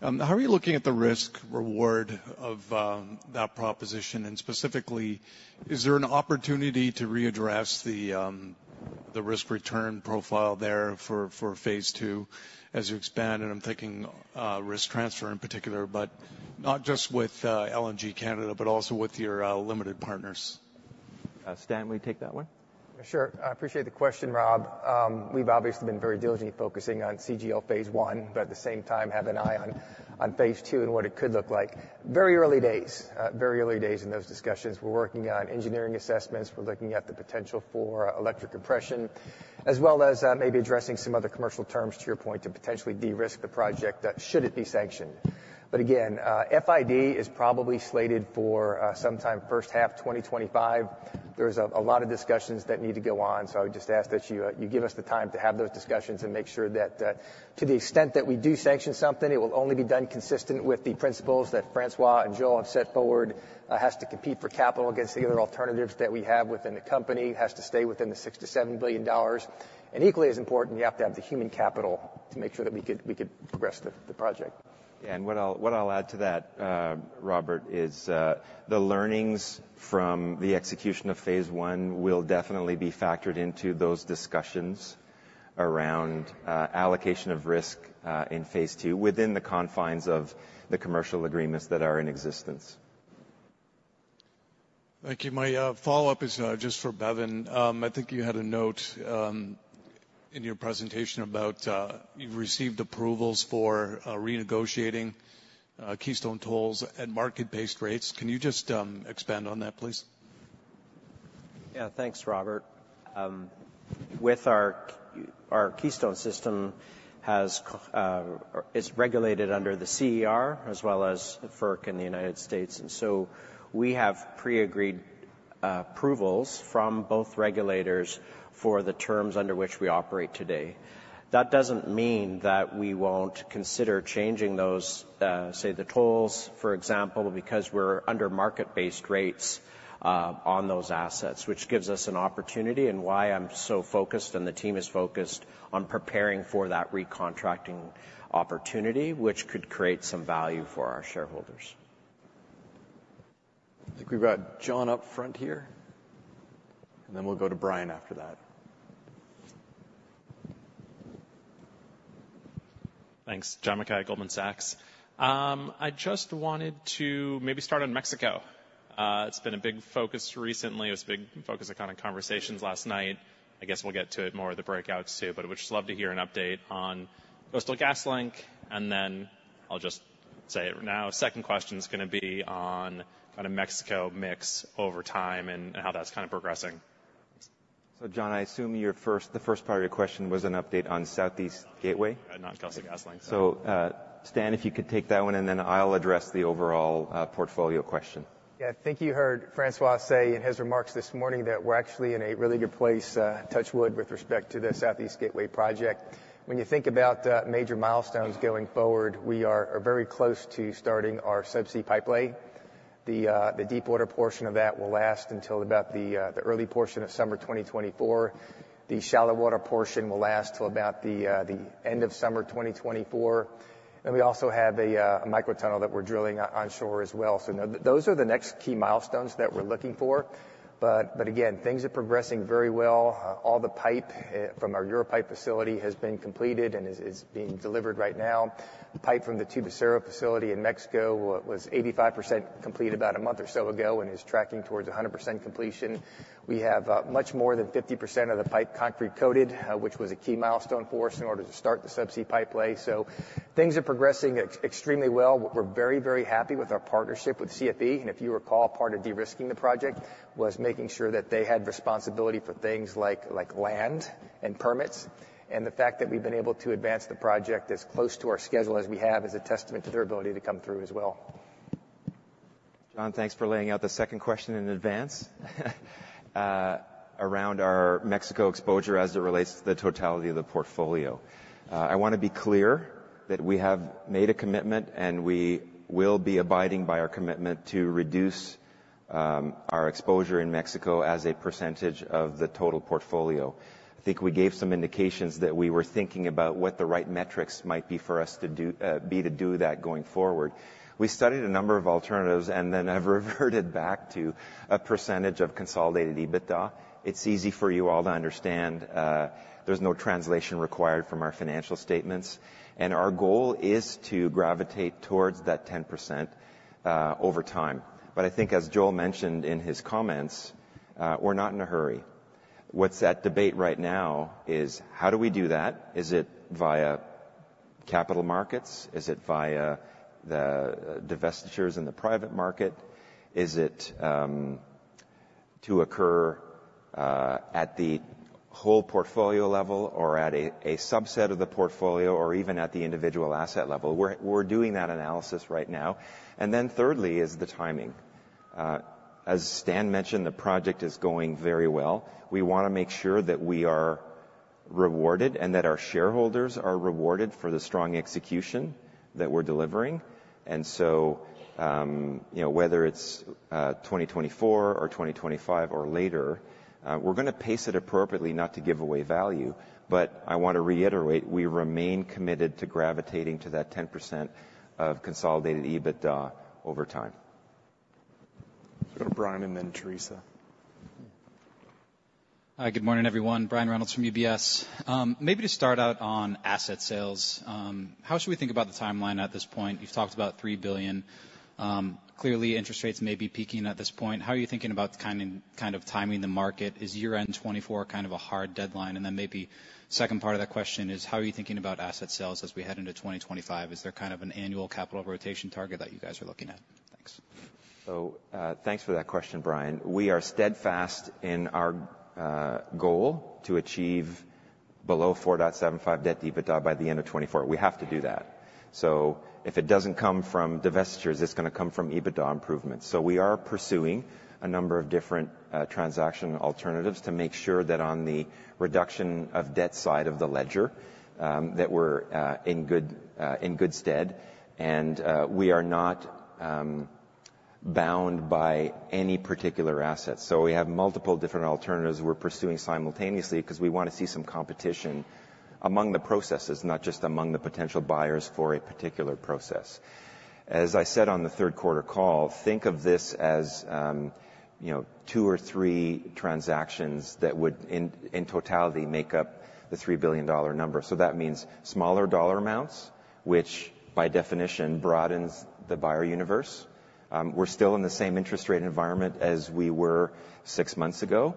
How are you looking at the risk-reward of that proposition? And specifically, is there an opportunity to readdress the risk return profile there for phase two as you expand? And I'm thinking risk transfer in particular, but not just with LNG Canada, but also with your limited partners. Stan, will you take that one? Sure. I appreciate the question, Rob. We've obviously been very diligently focusing on CGL phase one, but at the same time, have an eye on phase two and what it could look like. Very early days, very early days in those discussions. We're working on engineering assessments. We're looking at the potential for electric compression, as well as, maybe addressing some other commercial terms, to your point, to potentially de-risk the project, should it be sanctioned. But again, FID is probably slated for, sometime first half 2025. There's a lot of discussions that need to go on, so I would just ask that you give us the time to have those discussions and make sure that, to the extent that we do sanction something, it will only be done consistent with the principles that François and Joel have set forward. It has to compete for capital against the other alternatives that we have within the company, has to stay within the $6 billion-$7 billion, and equally as important, you have to have the human capital to make sure that we could progress the project. What I'll add to that, Robert, is the learnings from the execution of phase one will definitely be factored into those discussions... around allocation of risk in phase two, within the confines of the commercial agreements that are in existence. Thank you. My follow-up is just for Bevin. I think you had a note in your presentation about you've received approvals for renegotiating Keystone tolls at market-based rates. Can you just expand on that, please? Yeah, thanks, Robert. With our Keystone system has is regulated under the CER as well as FERC in the United States, and so we have pre-agreed approvals from both regulators for the terms under which we operate today. That doesn't mean that we won't consider changing those, say, the tolls, for example, because we're under market-based rates on those assets, which gives us an opportunity and why I'm so focused, and the team is focused on preparing for that recontracting opportunity, which could create some value for our shareholders. I think we've got John up front here, and then we'll go to Brian after that. Thanks. John Mackay, Goldman Sachs. I just wanted to maybe start on Mexico. It's been a big focus recently. It was a big focus at kind of conversations last night. I guess we'll get to it more at the breakouts, too, but I would just love to hear an update on Coastal GasLink, and then I'll just say it now, second question is gonna be on kind of Mexico mix over time and, and how that's kind of progressing. So, John, I assume the first part of your question was an update on Southeast Gateway? Not Coastal GasLink. So, Stan, if you could take that one, and then I'll address the overall portfolio question. Yeah, I think you heard François say in his remarks this morning that we're actually in a really good place, touch wood, with respect to the Southeast Gateway project. When you think about major milestones going forward, we are very close to starting our subsea pipelay. The deep water portion of that will last until about the early portion of summer 2024. The shallow water portion will last till about the end of summer 2024. And we also have a micro tunnel that we're drilling onshore as well. So those are the next key milestones that we're looking for, but again, things are progressing very well. All the pipe from our Europipe facility has been completed and is being delivered right now. The pipe from the Tubacero facility in Mexico was 85% complete about a month or so ago and is tracking towards 100% completion. We have much more than 50% of the pipe concrete-coated, which was a key milestone for us in order to start the subsea pipelay. So things are progressing extremely well. We're very, very happy with our partnership with CFE. And if you recall, part of de-risking the project was making sure that they had responsibility for things like, like land and permits. And the fact that we've been able to advance the project as close to our schedule as we have is a testament to their ability to come through as well. John, thanks for laying out the second question in advance, around our Mexico exposure as it relates to the totality of the portfolio. I wanna be clear that we have made a commitment, and we will be abiding by our commitment to reduce our exposure in Mexico as a percentage of the total portfolio. I think we gave some indications that we were thinking about what the right metrics might be for us to do that going forward. We studied a number of alternatives and then have reverted back to a percentage of consolidated EBITDA. It's easy for you all to understand. There's no translation required from our financial statements, and our goal is to gravitate towards that 10%, over time. But I think as Joel mentioned in his comments, we're not in a hurry. What's at debate right now is: How do we do that? Is it via capital markets? Is it via the divestitures in the private market? Is it to occur at the whole portfolio level or at a subset of the portfolio, or even at the individual asset level? We're doing that analysis right now. And then thirdly, is the timing. As Stan mentioned, the project is going very well. We wanna make sure that we are rewarded, and that our shareholders are rewarded for the strong execution that we're delivering. And so, you know, whether it's 2024 or 2025 or later, we're gonna pace it appropriately, not to give away value. But I want to reiterate, we remain committed to gravitating to that 10% of consolidated EBITDA over time. Go to Brian and then Theresa. Hi, good morning, everyone. Brian Reynolds from UBS. Maybe to start out on asset sales, how should we think about the timeline at this point? You've talked about 3 billion. Clearly, interest rates may be peaking at this point. How are you thinking about timing, kind of timing the market? Is year-end 2024 kind of a hard deadline? And then maybe second part of that question is: How are you thinking about asset sales as we head into 2025? Is there kind of an annual capital rotation target that you guys are looking at? Thanks. So, thanks for that question, Brian. We are steadfast in our goal to achieve below 4.75 Debt-to-EBITDA by the end of 2024. We have to do that. So if it doesn't come from divestitures, it's gonna come from EBITDA improvements. So we are pursuing a number of different transaction alternatives to make sure that on the reduction of debt side of the ledger, that we're in good stead. And we are not bound by any particular asset. So we have multiple different alternatives we're pursuing simultaneously, 'cause we wanna see some competition among the processes, not just among the potential buyers for a particular process. As I said on the third quarter call, think of this as, you know, two or three transactions that would in totality make up the $3 billion number. So that means smaller dollar amounts, which by definition broadens the buyer universe. We're still in the same interest rate environment as we were six months ago.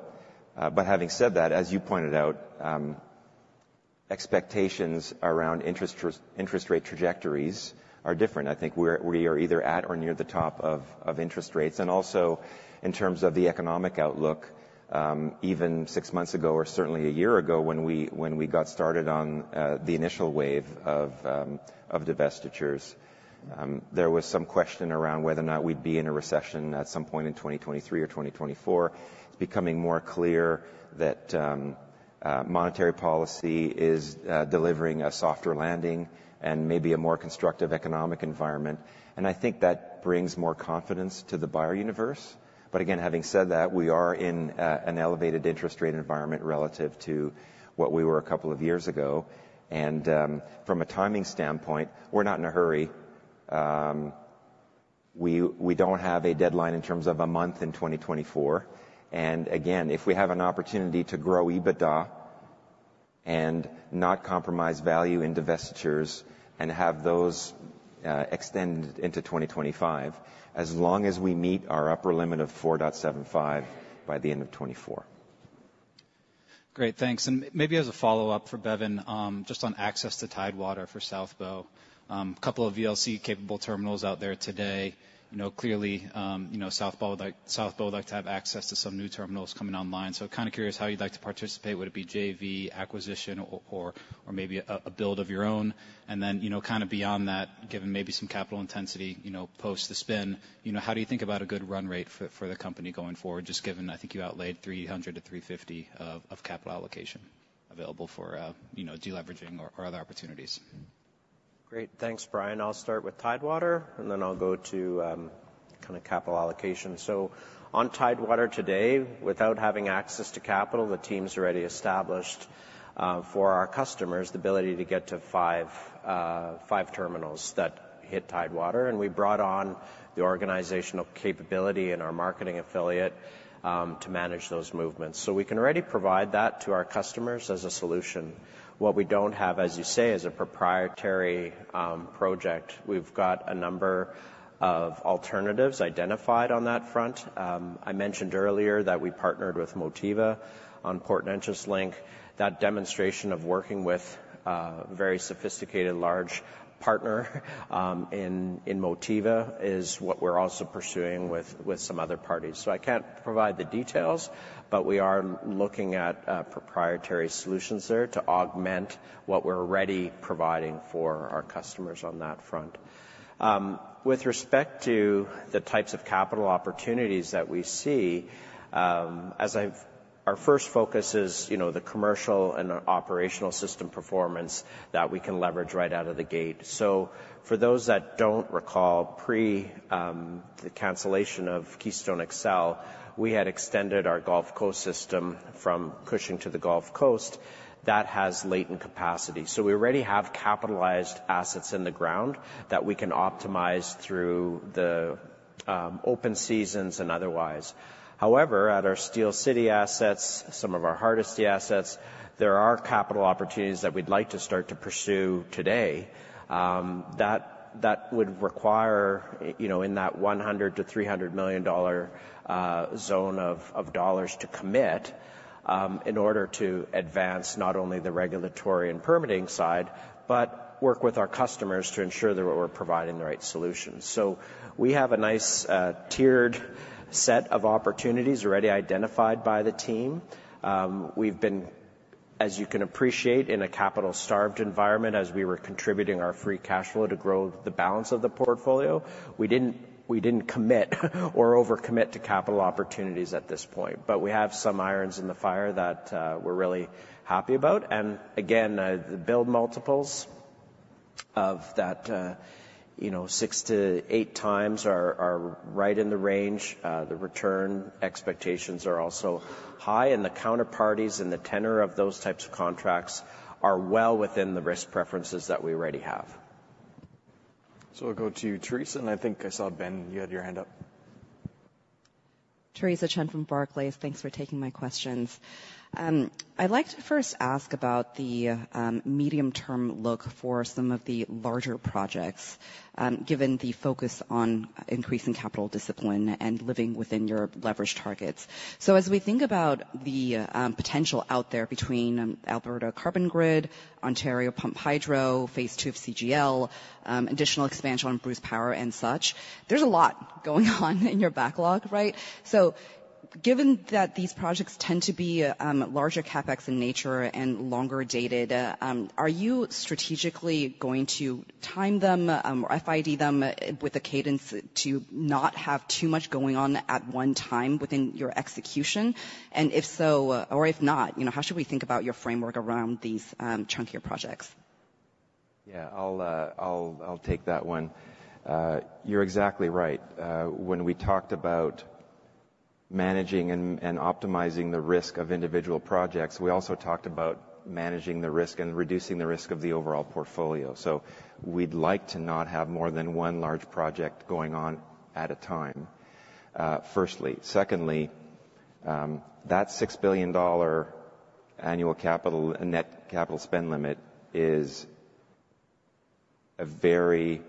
But having said that, as you pointed out, expectations around interest rate trajectories are different. I think we are either at or near the top of interest rates. And also in terms of the economic outlook, even six months ago, or certainly a year ago, when we got started on the initial wave of divestitures, there was some question around whether or not we'd be in a recession at some point in 2023 or 2024. It's becoming more clear that monetary policy is delivering a softer landing and maybe a more constructive economic environment, and I think that brings more confidence to the buyer universe. But again, having said that, we are in an elevated interest rate environment relative to what we were a couple of years ago. From a timing standpoint, we're not in a hurry. We don't have a deadline in terms of a month in 2024. And again, if we have an opportunity to grow EBITDA and not compromise value in divestitures and have those extend into 2025, as long as we meet our upper limit of 4.75 by the end of 2024. Great, thanks. Maybe as a follow-up for Bevin, just on access to Tidewater for South Bow. A couple of VLC-capable terminals out there today, you know, clearly, you know, South Bow, South Bow would like to have access to some new terminals coming online. So kind of curious how you'd like to participate. Would it be JV, acquisition, or maybe a build of your own? And then, you know, kind of beyond that, given maybe some capital intensity, you know, post the spin, you know, how do you think about a good run rate for the company going forward? Just given, I think you outlaid $300-$350 of capital allocation available for, you know, deleveraging or other opportunities. Great. Thanks, Brian. I'll start with Tidewater, and then I'll go to kind of capital allocation. So on Tidewater today, without having access to capital, the team's already established for our customers, the ability to get to five terminals that hit Tidewater, and we brought on the organizational capability and our marketing affiliate to manage those movements. So we can already provide that to our customers as a solution. What we don't have, as you say, is a proprietary project. We've got a number of alternatives identified on that front. I mentioned earlier that we partnered with Motiva on Port Neches Link. That demonstration of working with a very sophisticated, large partner in Motiva is what we're also pursuing with some other parties. So I can't provide the details, but we are looking at proprietary solutions there to augment what we're already providing for our customers on that front. With respect to the types of capital opportunities that we see, as our first focus is, you know, the commercial and operational system performance that we can leverage right out of the gate. So for those that don't recall, pre the cancellation of Keystone XL, we had extended our Gulf Coast system from Cushing to the Gulf Coast. That has latent capacity. So we already have capitalized assets in the ground that we can optimize through the open seasons and otherwise. However, at our Steele City assets, some of our hardest assets, there are capital opportunities that we'd like to start to pursue today, that would require, you know, in that $100 million-$300 million zone of dollars to commit, in order to advance not only the regulatory and permitting side, but work with our customers to ensure that we're providing the right solutions. So we have a nice tiered set of opportunities already identified by the team. We've been, as you can appreciate, in a capital-starved environment, as we were contributing our free cash flow to grow the balance of the portfolio. We didn't commit or over-commit to capital opportunities at this point, but we have some irons in the fire that we're really happy about. Again, the build multiples of that, you know, 6x-8x are right in the range. The return expectations are also high, and the counterparties and the tenor of those types of contracts are well within the risk preferences that we already have. So we'll go to Theresa, and I think I saw Ben, you had your hand up. Theresa Chen from Barclays. Thanks for taking my questions. I'd like to first ask about the medium-term look for some of the larger projects, given the focus on increasing capital discipline and living within your leverage targets. As we think about the potential out there between Alberta Carbon Grid, Ontario Pumped Hydro, phase two of CGL, additional expansion on Bruce Power and such, there's a lot going on in your backlog, right? Given that these projects tend to be larger CapEx in nature and longer dated, are you strategically going to time them or FID them with a cadence to not have too much going on at one time within your execution? And if so or if not, you know, how should we think about your framework around these chunkier projects? Yeah, I'll take that one. You're exactly right. When we talked about managing and optimizing the risk of individual projects, we also talked about managing the risk and reducing the risk of the overall portfolio. So we'd like to not have more than one large project going on at a time, firstly. Secondly, that 6 billion dollar annual capital and net capital spend limit is a very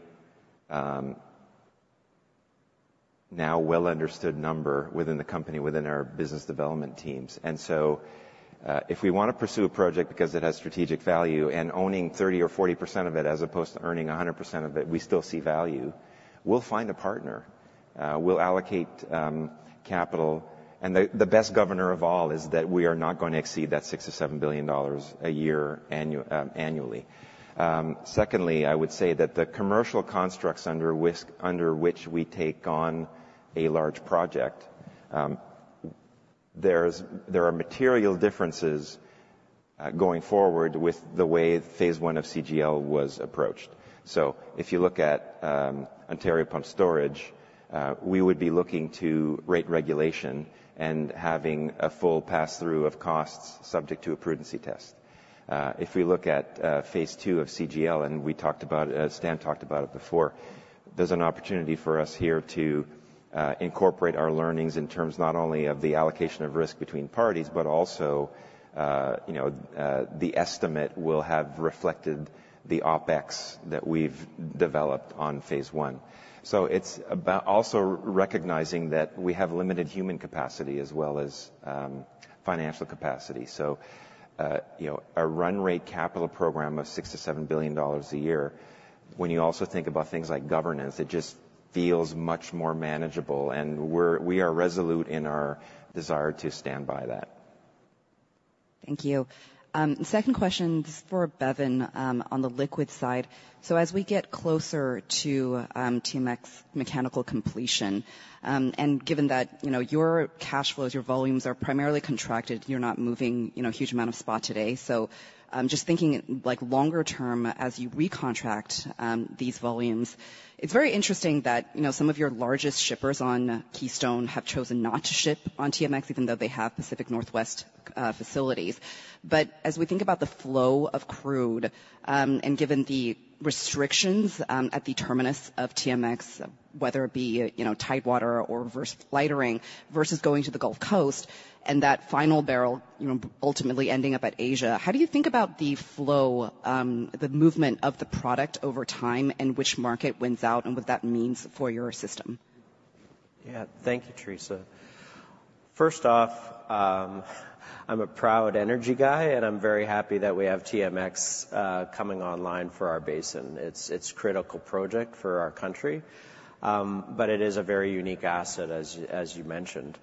now well-understood number within the company, within our business development teams. And so, if we wanna pursue a project because it has strategic value and owning 30 or 40% of it, as opposed to earning 100% of it, we still see value. We'll find a partner, we'll allocate capital, and the best governor of all is that we are not going to exceed that 6 billion-7 billion dollars a year annually. Secondly, I would say that the commercial constructs under which we take on a large project, there are material differences going forward with the way phase one of CGL was approached. So if you look at Ontario Pumped Storage, we would be looking to rate regulation and having a full pass-through of costs subject to a prudency test. If we look at phase two of CGL, and we talked about it, Stan talked about it before, there's an opportunity for us here to incorporate our learnings in terms not only of the allocation of risk between parties, but also, you know, the estimate will have reflected the OpEx that we've developed on phase one. So it's about also recognizing that we have limited human capacity as well as financial capacity. So, you know, a run rate capital program of 6 billion-7 billion dollars a year, when you also think about things like governance, it just feels much more manageable, and we are resolute in our desire to stand by that. Thank you. Second question, this is for Bevin, on the liquid side. So as we get closer to TMX mechanical completion, and given that, you know, your cash flows, your volumes are primarily contracted, you're not moving, you know, a huge amount of spot today. So, just thinking, like, longer term as you recontract these volumes, it's very interesting that, you know, some of your largest shippers on Keystone have chosen not to ship on TMX, even though they have Pacific Northwest facilities. But as we think about the flow of crude, and given the restrictions, at the terminus of TMX, whether it be, you know, tidewater or reverse lightering versus going to the Gulf Coast, and that final barrel, you know, ultimately ending up at Asia, how do you think about the flow, the movement of the product over time, and which market wins out and what that means for your system? Yeah. Thank you, Theresa. First off, I'm a proud energy guy, and I'm very happy that we have TMX coming online for our basin. It's critical project for our country, but it is a very unique asset as you mentioned.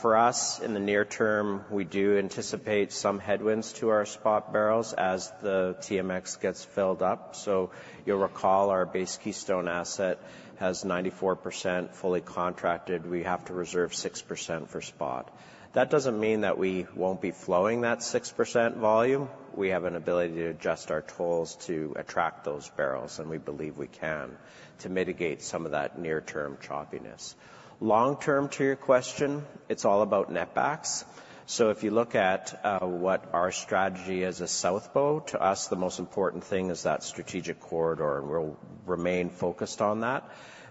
For us, in the near term, we do anticipate some headwinds to our spot barrels as the TMX gets filled up. So you'll recall our base Keystone asset has 94% fully contracted. We have to reserve 6% for spot. That doesn't mean that we won't be flowing that 6% volume. We have an ability to adjust our tolls to attract those barrels, and we believe we can to mitigate some of that near-term choppiness. Long-term, to your question, it's all about netbacks. So if you look at what our strategy as a South Bow, to us, the most important thing is that strategic corridor, and we'll remain focused on that.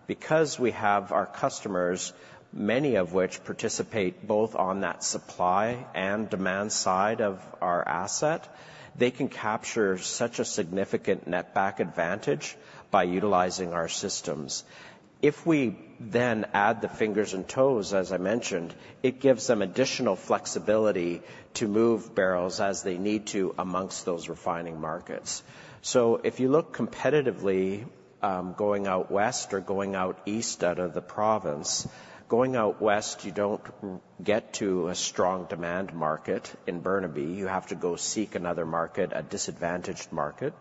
Because we have our customers, many of which participate both on that supply and demand side of our asset, they can capture such a significant netback advantage by utilizing our systems. If we then add the fingers and toes, as I mentioned, it gives them additional flexibility to move barrels as they need to among those refining markets. So if you look competitively, going out west or going out east out of the province, going out west, you don't get to a strong demand market in Burnaby. You have to go seek another market, a disadvantaged market.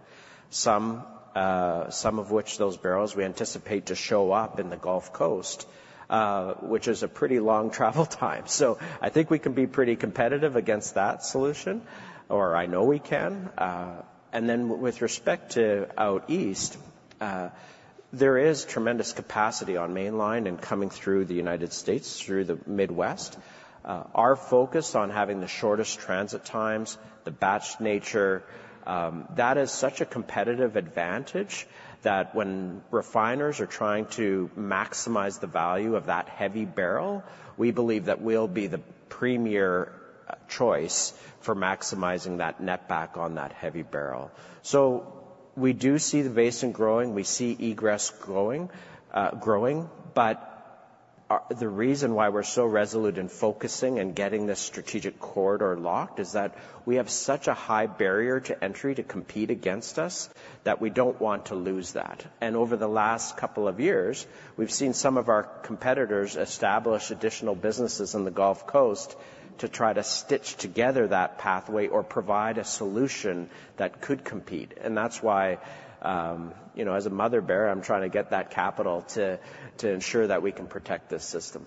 Some of which those barrels we anticipate to show up in the Gulf Coast, which is a pretty long travel time. So I think we can be pretty competitive against that solution, or I know we can. And then with respect to out east, there is tremendous capacity on Mainline and coming through the United States, through the Midwest. Our focus on having the shortest transit times, the batched nature, that is such a competitive advantage that when refiners are trying to maximize the value of that heavy barrel, we believe that we'll be the premier choice for maximizing that netback on that heavy barrel. So we do see the basin growing, we see egress growing, but the reason why we're so resolute in focusing and getting this strategic corridor locked is that we have such a high barrier to entry to compete against us, that we don't want to lose that. And over the last couple of years, we've seen some of our competitors establish additional businesses in the Gulf Coast to try to stitch together that pathway or provide a solution that could compete. And that's why, you know, as a mother bear, I'm trying to get that capital to, to ensure that we can protect this system.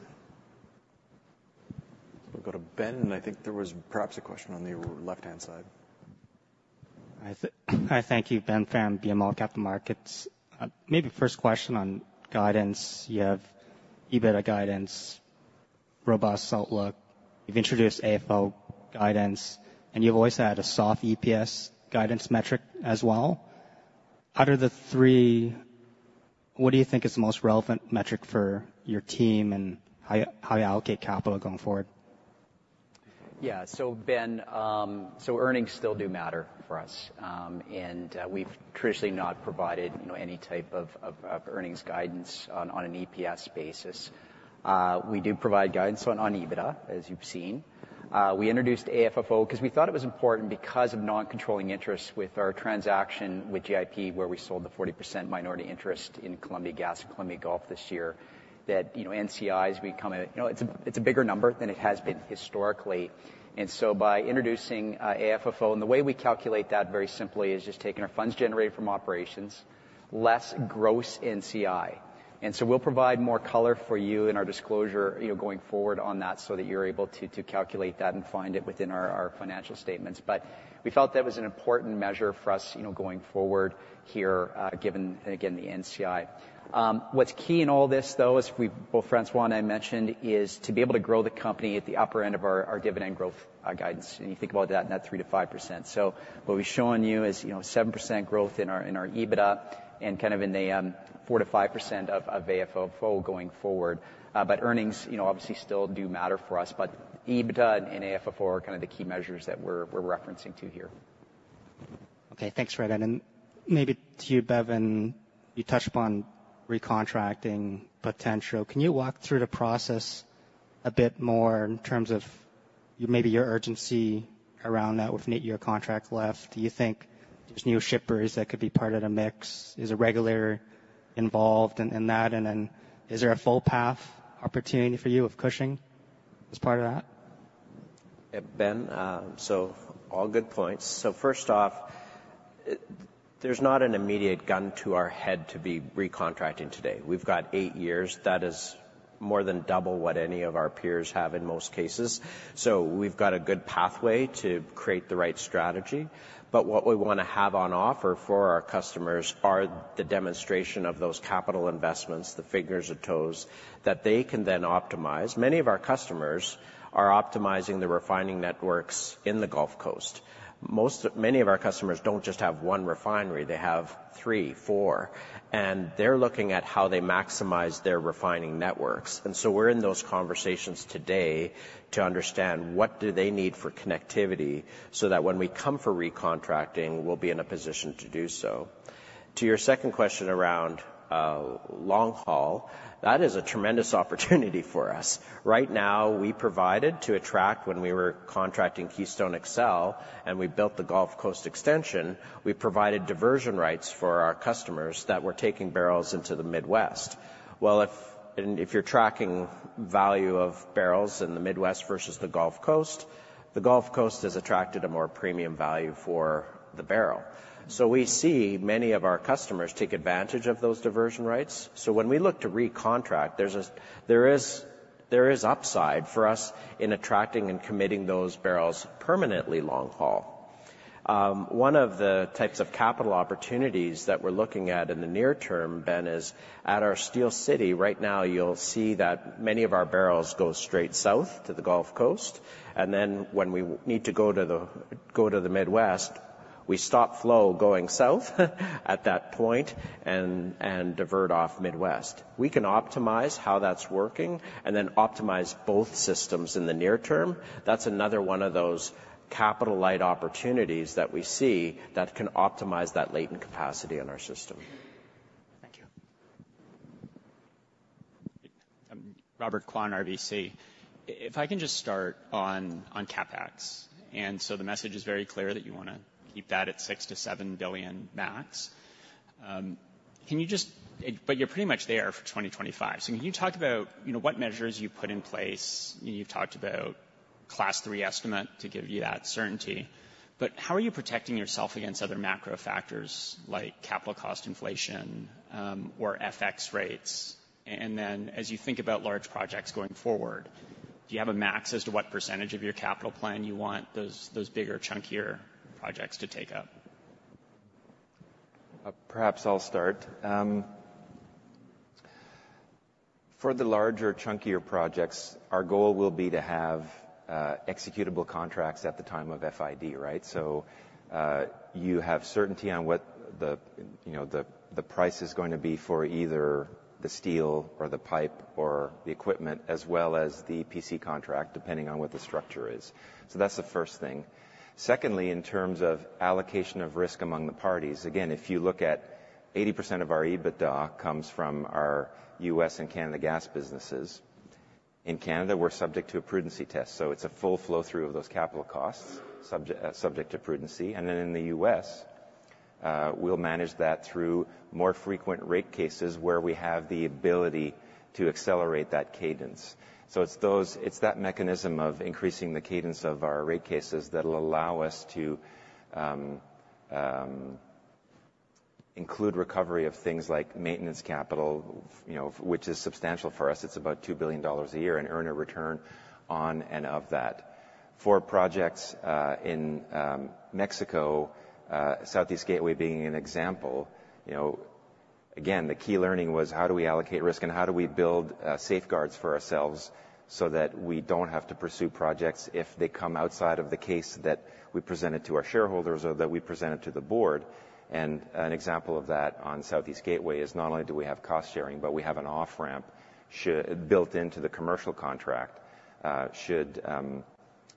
We'll go to Ben, and I think there was perhaps a question on the left-hand side. Hi, thank you. Ben Pham, BMO Capital Markets. Maybe first question on guidance. You have EBITDA guidance, robust outlook, you've introduced AFFO guidance, and you've always had a soft EPS guidance metric as well. Out of the three, what do you think is the most relevant metric for your team, and how you allocate capital going forward? Yeah. So, Ben, earnings still do matter for us. And we've traditionally not provided, you know, any type of earnings guidance on an EPS basis. We do provide guidance on EBITDA, as you've seen. We introduced AFFO because we thought it was important because of non-controlling interests with our transaction with GIP, where we sold the 40% minority interest in Columbia Gas and Columbia Gulf this year, that, you know, NCIs become a bigger number than it has been historically. And so by introducing AFFO, and the way we calculate that very simply, is just taking our funds generated from operations less gross NCI. And so we'll provide more color for you in our disclosure, you know, going forward on that, so that you're able to calculate that and find it within our financial statements. But we felt that was an important measure for us, you know, going forward here, given, again, the NCI. What's key in all this, though, is we—both François and I mentioned, is to be able to grow the company at the upper end of our dividend growth guidance, and you think about that, in that 3%-5%. So what we've shown you is, you know, 7% growth in our EBITDA and kind of in the 4%-5% of AFFO going forward. But earnings, you know, obviously still do matter for us, but EBITDA and AFFO are kind of the key measures that we're referencing to here. Okay, thanks, Fred. And maybe to you, Bevin, you touched upon recontracting potential. Can you walk through the process a bit more in terms of maybe your urgency around that with 8-year contract left? Do you think there's new shippers that could be part of the mix? Is a regulator involved in that? And then is there a full path opportunity for you of Cushing as part of that? Yeah, Ben, so all good points. So first off, there's not an immediate gun to our head to be recontracting today. We've got eight years. That is more than double what any of our peers have in most cases. So we've got a good pathway to create the right strategy. But what we wanna have on offer for our customers are the demonstration of those capital investments, the fingers or toes, that they can then optimize. Many of our customers are optimizing the refining networks in the Gulf Coast. Many of our customers don't just have one refinery, they have three, four, and they're looking at how they maximize their refining networks. And so we're in those conversations today to understand what do they need for connectivity, so that when we come for recontracting, we'll be in a position to do so. To your second question around long haul, that is a tremendous opportunity for us. Right now, we provided to attract when we were contracting Keystone XL, and we built the Gulf Coast extension, we provided diversion rights for our customers that were taking barrels into the Midwest. Well, if you're tracking value of barrels in the Midwest versus the Gulf Coast, the Gulf Coast has attracted a more premium value for the barrel. So we see many of our customers take advantage of those diversion rights. So when we look to recontract, there is upside for us in attracting and committing those barrels permanently long haul. One of the types of capital opportunities that we're looking at in the near term, Ben, is at our Steele City. Right now, you'll see that many of our barrels go straight south to the Gulf Coast, and then when we need to go to the, go to the Midwest, we stop flow going south at that point and, and divert off Midwest. We can optimize how that's working and then optimize both systems in the near term. That's another one of those capital-light opportunities that we see that can optimize that latent capacity in our system. Thank you. Robert Kwan, RBC. If I can just start on CapEx, and so the message is very clear that you wanna keep that at $6 billion-$7 billion max. Can you just... But you're pretty much there for 2025. So can you talk about, you know, what measures you've put in place? You've talked about Class 3 Estimate to give you that certainty, but how are you protecting yourself against other macro factors like capital cost inflation, or FX rates? And then, as you think about large projects going forward, do you have a max as to what percentage of your capital plan you want those bigger, chunkier projects to take up? Perhaps I'll start. For the larger, chunkier projects, our goal will be to have executable contracts at the time of FID, right? So, you have certainty on what the, you know, the price is going to be for either the steel or the pipe or the equipment, as well as the PC contract, depending on what the structure is. So that's the first thing. Secondly, in terms of allocation of risk among the parties, again, if you look at 80% of our EBITDA comes from our U.S. and Canada gas businesses. In Canada, we're subject to a prudence test, so it's a full flow-through of those capital costs, subject to prudence. Then in the U.S., we'll manage that through more frequent rate cases where we have the ability to accelerate that cadence. So it's that mechanism of increasing the cadence of our rate cases that'll allow us to include recovery of things like maintenance capital, you know, which is substantial for us. It's about $2 billion a year and earn a return on and of that. For projects in Mexico, Southeast Gateway being an example, you know. ... Again, the key learning was how do we allocate risk, and how do we build safeguards for ourselves so that we don't have to pursue projects if they come outside of the case that we presented to our shareholders or that we presented to the board? And an example of that on Southeast Gateway is not only do we have cost sharing, but we have an off-ramp built into the commercial contract should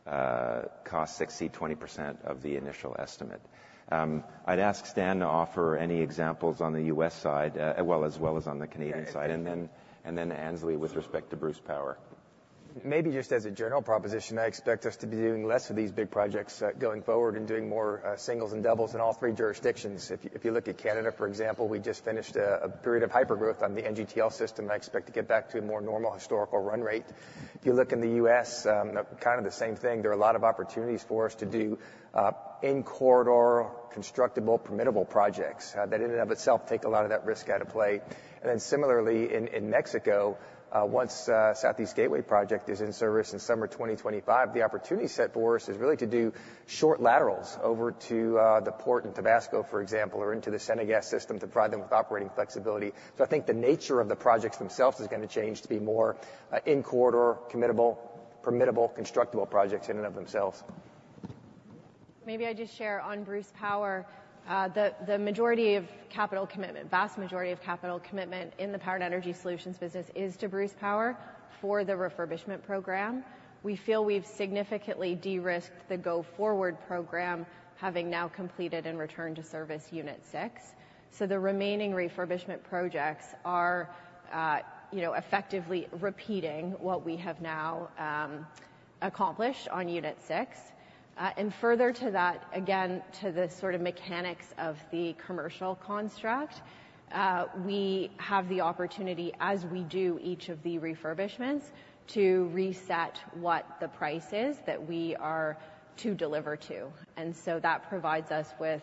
costs exceed 20% of the initial estimate. I'd ask Stan to offer any examples on the U.S. side, as well as on the Canadian side, and then Annesley with respect to Bruce Power. Maybe just as a general proposition, I expect us to be doing less of these big projects going forward and doing more singles and doubles in all three jurisdictions. If you look at Canada, for example, we just finished a period of hypergrowth on the NGTL system. I expect to get back to a more normal historical run rate. If you look in the U.S., kind of the same thing. There are a lot of opportunities for us to do in corridor, constructible, permittable projects that in and of itself take a lot of that risk out of play. Then similarly, in Mexico, once the Southeast Gateway project is in service in summer 2025, the opportunity set for us is really to do short laterals over to the port in Tabasco, for example, or into the CENAGAS system to provide them with operating flexibility. So I think the nature of the projects themselves is gonna change to be more in corridor, committable, permittable, constructible projects in and of themselves. Maybe I just share on Bruce Power. The majority of capital commitment, vast majority of capital commitment in the Power and Energy Solutions business is to Bruce Power for the refurbishment program. We feel we've significantly de-risked the go-forward program, having now completed and returned to service Unit 6. So the remaining refurbishment projects are, you know, effectively repeating what we have now accomplished on Unit 6. And further to that, again, to the sort of mechanics of the commercial construct, we have the opportunity, as we do each of the refurbishments, to reset what the price is that we are to deliver to. And so that provides us with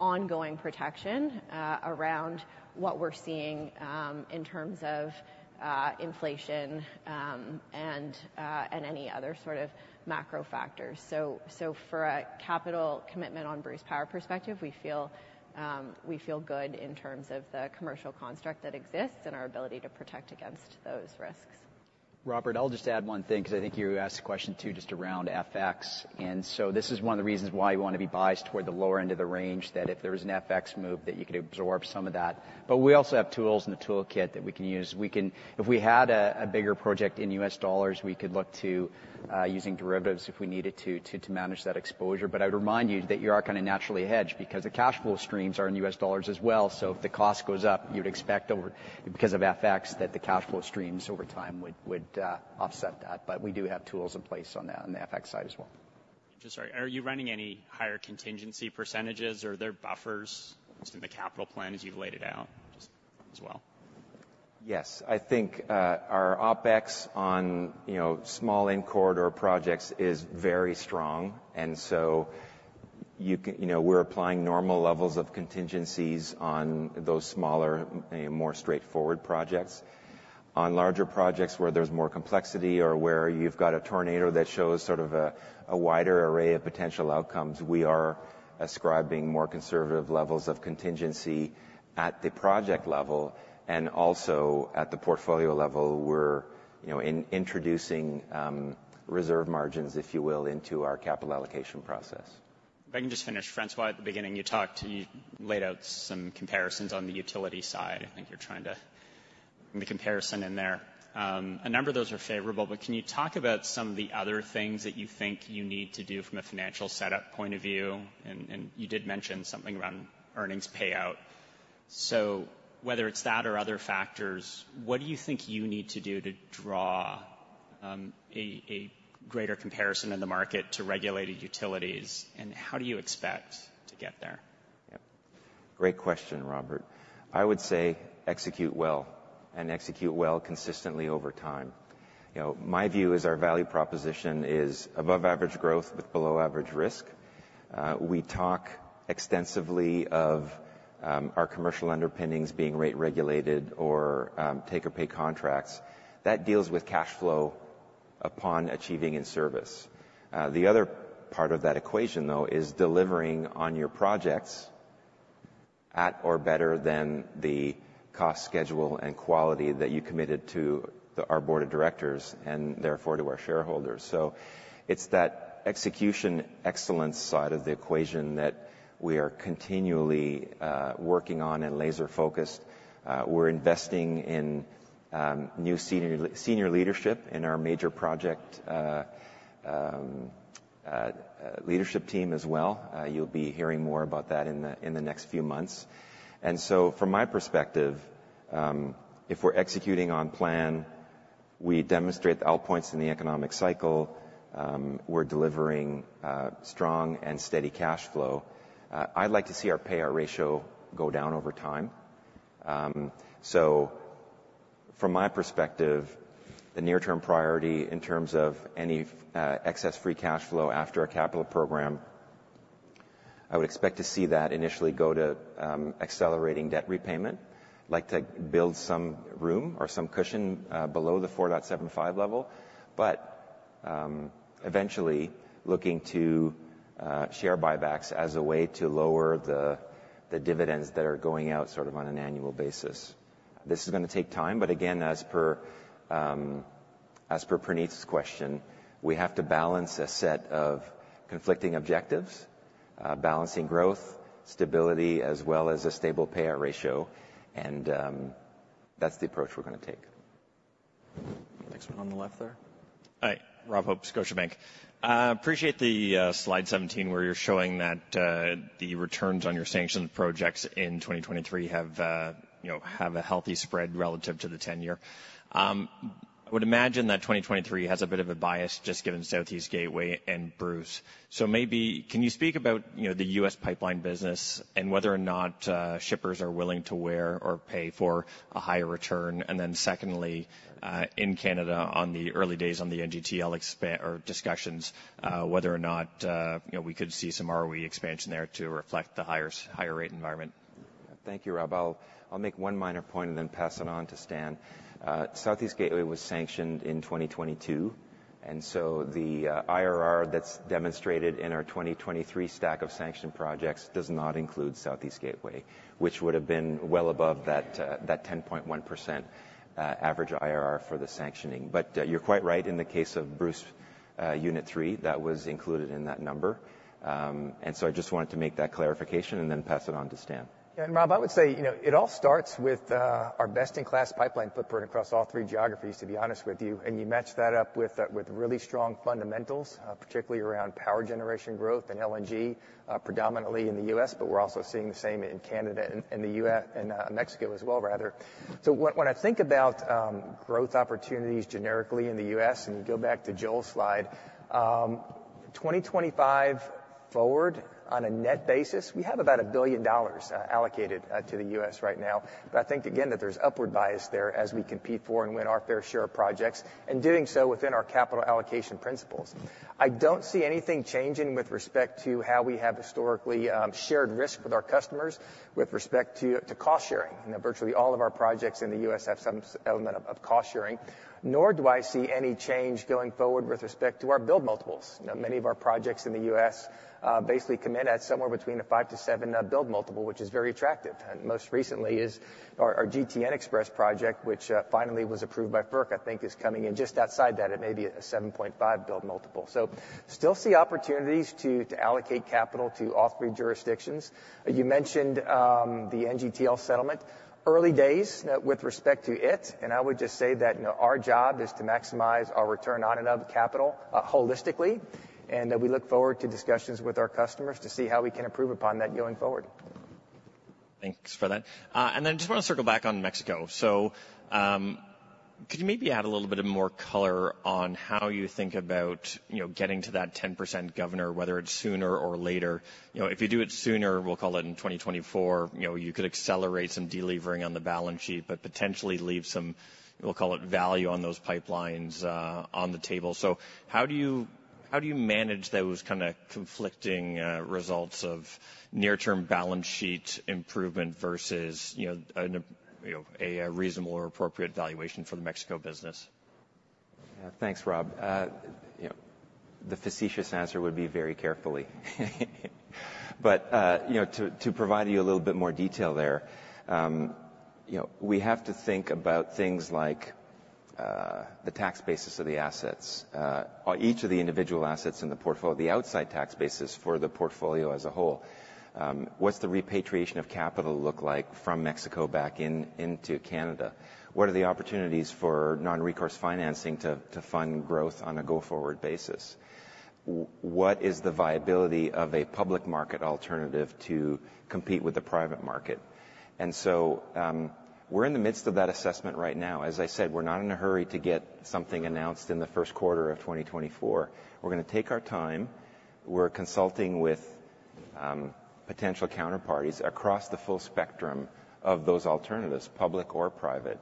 ongoing protection around what we're seeing in terms of inflation and any other sort of macro factors. So, for a capital commitment on Bruce Power perspective, we feel good in terms of the commercial construct that exists and our ability to protect against those risks. Robert, I'll just add one thing, because I think you asked the question, too, just around FX. And so this is one of the reasons why you want to be biased toward the lower end of the range, that if there is an FX move, that you could absorb some of that. But we also have tools in the toolkit that we can use. We can if we had a bigger project in US dollars, we could look to using derivatives if we needed to, to manage that exposure. But I'd remind you that you are kind of naturally hedged, because the cash flow streams are in US dollars as well. So if the cost goes up, you'd expect over... because of FX, that the cash flow streams over time would offset that. But we do have tools in place on the FX side as well. Just sorry, are you running any higher contingency percentages, or are there buffers just in the capital plan as you've laid it out just as well? Yes. I think, our OpEx on, you know, small in corridor projects is very strong, and so you know, we're applying normal levels of contingencies on those smaller and more straightforward projects. On larger projects, where there's more complexity or where you've got a tornado that shows sort of a wider array of potential outcomes, we are ascribing more conservative levels of contingency at the project level and also at the portfolio level. We're, you know, introducing reserve margins, if you will, into our capital allocation process. If I can just finish, François, at the beginning, you talked, you laid out some comparisons on the utility side. I think you're trying to... The comparison in there. A number of those are favorable, but can you talk about some of the other things that you think you need to do from a financial setup point of view? And you did mention something around earnings payout. So whether it's that or other factors, what do you think you need to do to draw a greater comparison in the market to regulated utilities, and how do you expect to get there? Yep. Great question, Robert. I would say execute well, and execute well consistently over time. You know, my view is our value proposition is above average growth with below average risk. We talk extensively of our commercial underpinnings being rate regulated or take-or-pay contracts. That deals with cash flow upon achieving in service. The other part of that equation, though, is delivering on your projects at or better than the cost, schedule, and quality that you committed to our board of directors and therefore to our shareholders. So it's that execution excellence side of the equation that we are continually working on and laser focused. We're investing in new senior leadership in our major project leadership team as well. You'll be hearing more about that in the next few months. And so from my perspective, if we're executing on plan, we demonstrate the outpoints in the economic cycle, we're delivering, strong and steady cash flow. I'd like to see our payout ratio go down over time. So from my perspective, the near-term priority in terms of any, excess free cash flow after our capital program, I would expect to see that initially go to, accelerating debt repayment. I'd like to build some room or some cushion, below the 4.75 level, but eventually looking to, share buybacks as a way to lower the, the dividends that are going out sort of on an annual basis. This is gonna take time, but again, as per, as per Puneet's question, we have to balance a set of conflicting objectives. Balancing growth, stability, as well as a stable payout ratio, and, that's the approach we're gonna take. Next one on the left there. Hi, Rob Hope, Scotiabank. Appreciate the slide 17, where you're showing that the returns on your sanctioned projects in 2023 have, you know, have a healthy spread relative to the 10-year. I would imagine that 2023 has a bit of a bias, just given Southeast Gateway and Bruce. So maybe can you speak about, you know, the U.S. pipeline business and whether or not shippers are willing to take or pay for a higher return? And then secondly, in Canada, on the early days on the NGTL expansion or discussions, whether or not, you know, we could see some ROE expansion there to reflect the higher rate environment. Thank you, Rob. I'll, I'll make one minor point and then pass it on to Stan. Southeast Gateway was sanctioned in 2022, and so the IRR that's demonstrated in our 2023 stack of sanctioned projects does not include Southeast Gateway, which would've been well above that that 10.1% average IRR for the sanctioning. But, you're quite right, in the case of Bruce, Unit Three, that was included in that number. And so I just wanted to make that clarification and then pass it on to Stan. Yeah, and Rob, I would say, you know, it all starts with our best-in-class pipeline footprint across all three geographies, to be honest with you, and you match that up with really strong fundamentals, particularly around power generation growth and LNG, predominantly in the U.S. But we're also seeing the same in Canada and the U.S., and Mexico as well, rather. So when I think about growth opportunities generically in the U.S., and you go back to Joel's slide, 2025 forward, on a net basis, we have about $1 billion allocated to the U.S. right now. But I think, again, that there's upward bias there as we compete for and win our fair share of projects, and doing so within our capital allocation principles. I don't see anything changing with respect to how we have historically shared risk with our customers with respect to cost sharing. You know, virtually all of our projects in the U.S. have some element of cost sharing. Nor do I see any change going forward with respect to our build multiples. You know, many of our projects in the U.S. basically come in at somewhere between a 5-7 Build Multiple, which is very attractive. And most recently is our GTN XPress project, which finally was approved by FERC, I think is coming in just outside that. It may be a 7.5 Build Multiple. So still see opportunities to allocate capital to all three jurisdictions. You mentioned the NGTL settlement. Early days, with respect to it, and I would just say that, you know, our job is to maximize our return on invested capital, holistically, and we look forward to discussions with our customers to see how we can improve upon that going forward. Thanks for that. And then I just wanna circle back on Mexico. So, could you maybe add a little bit of more color on how you think about, you know, getting to that 10% governor, whether it's sooner or later? You know, if you do it sooner, we'll call it in 2024, you know, you could accelerate some de-levering on the balance sheet, but potentially leave some, we'll call it value, on those pipelines, on the table. So how do you, how do you manage those kind of conflicting results of near-term balance sheet improvement versus, you know, an, you know, a reasonable or appropriate valuation for the Mexico business? Thanks, Rob. You know, the facetious answer would be very carefully. But, you know, to provide you a little bit more detail there, you know, we have to think about things like the tax basis of the assets, or each of the individual assets in the portfolio, the outside tax basis for the portfolio as a whole. What's the repatriation of capital look like from Mexico back into Canada? What are the opportunities for non-recourse financing to fund growth on a go-forward basis? What is the viability of a public market alternative to compete with the private market? And so, we're in the midst of that assessment right now. As I said, we're not in a hurry to get something announced in the first quarter of 2024. We're gonna take our time. We're consulting with potential counterparties across the full spectrum of those alternatives, public or private.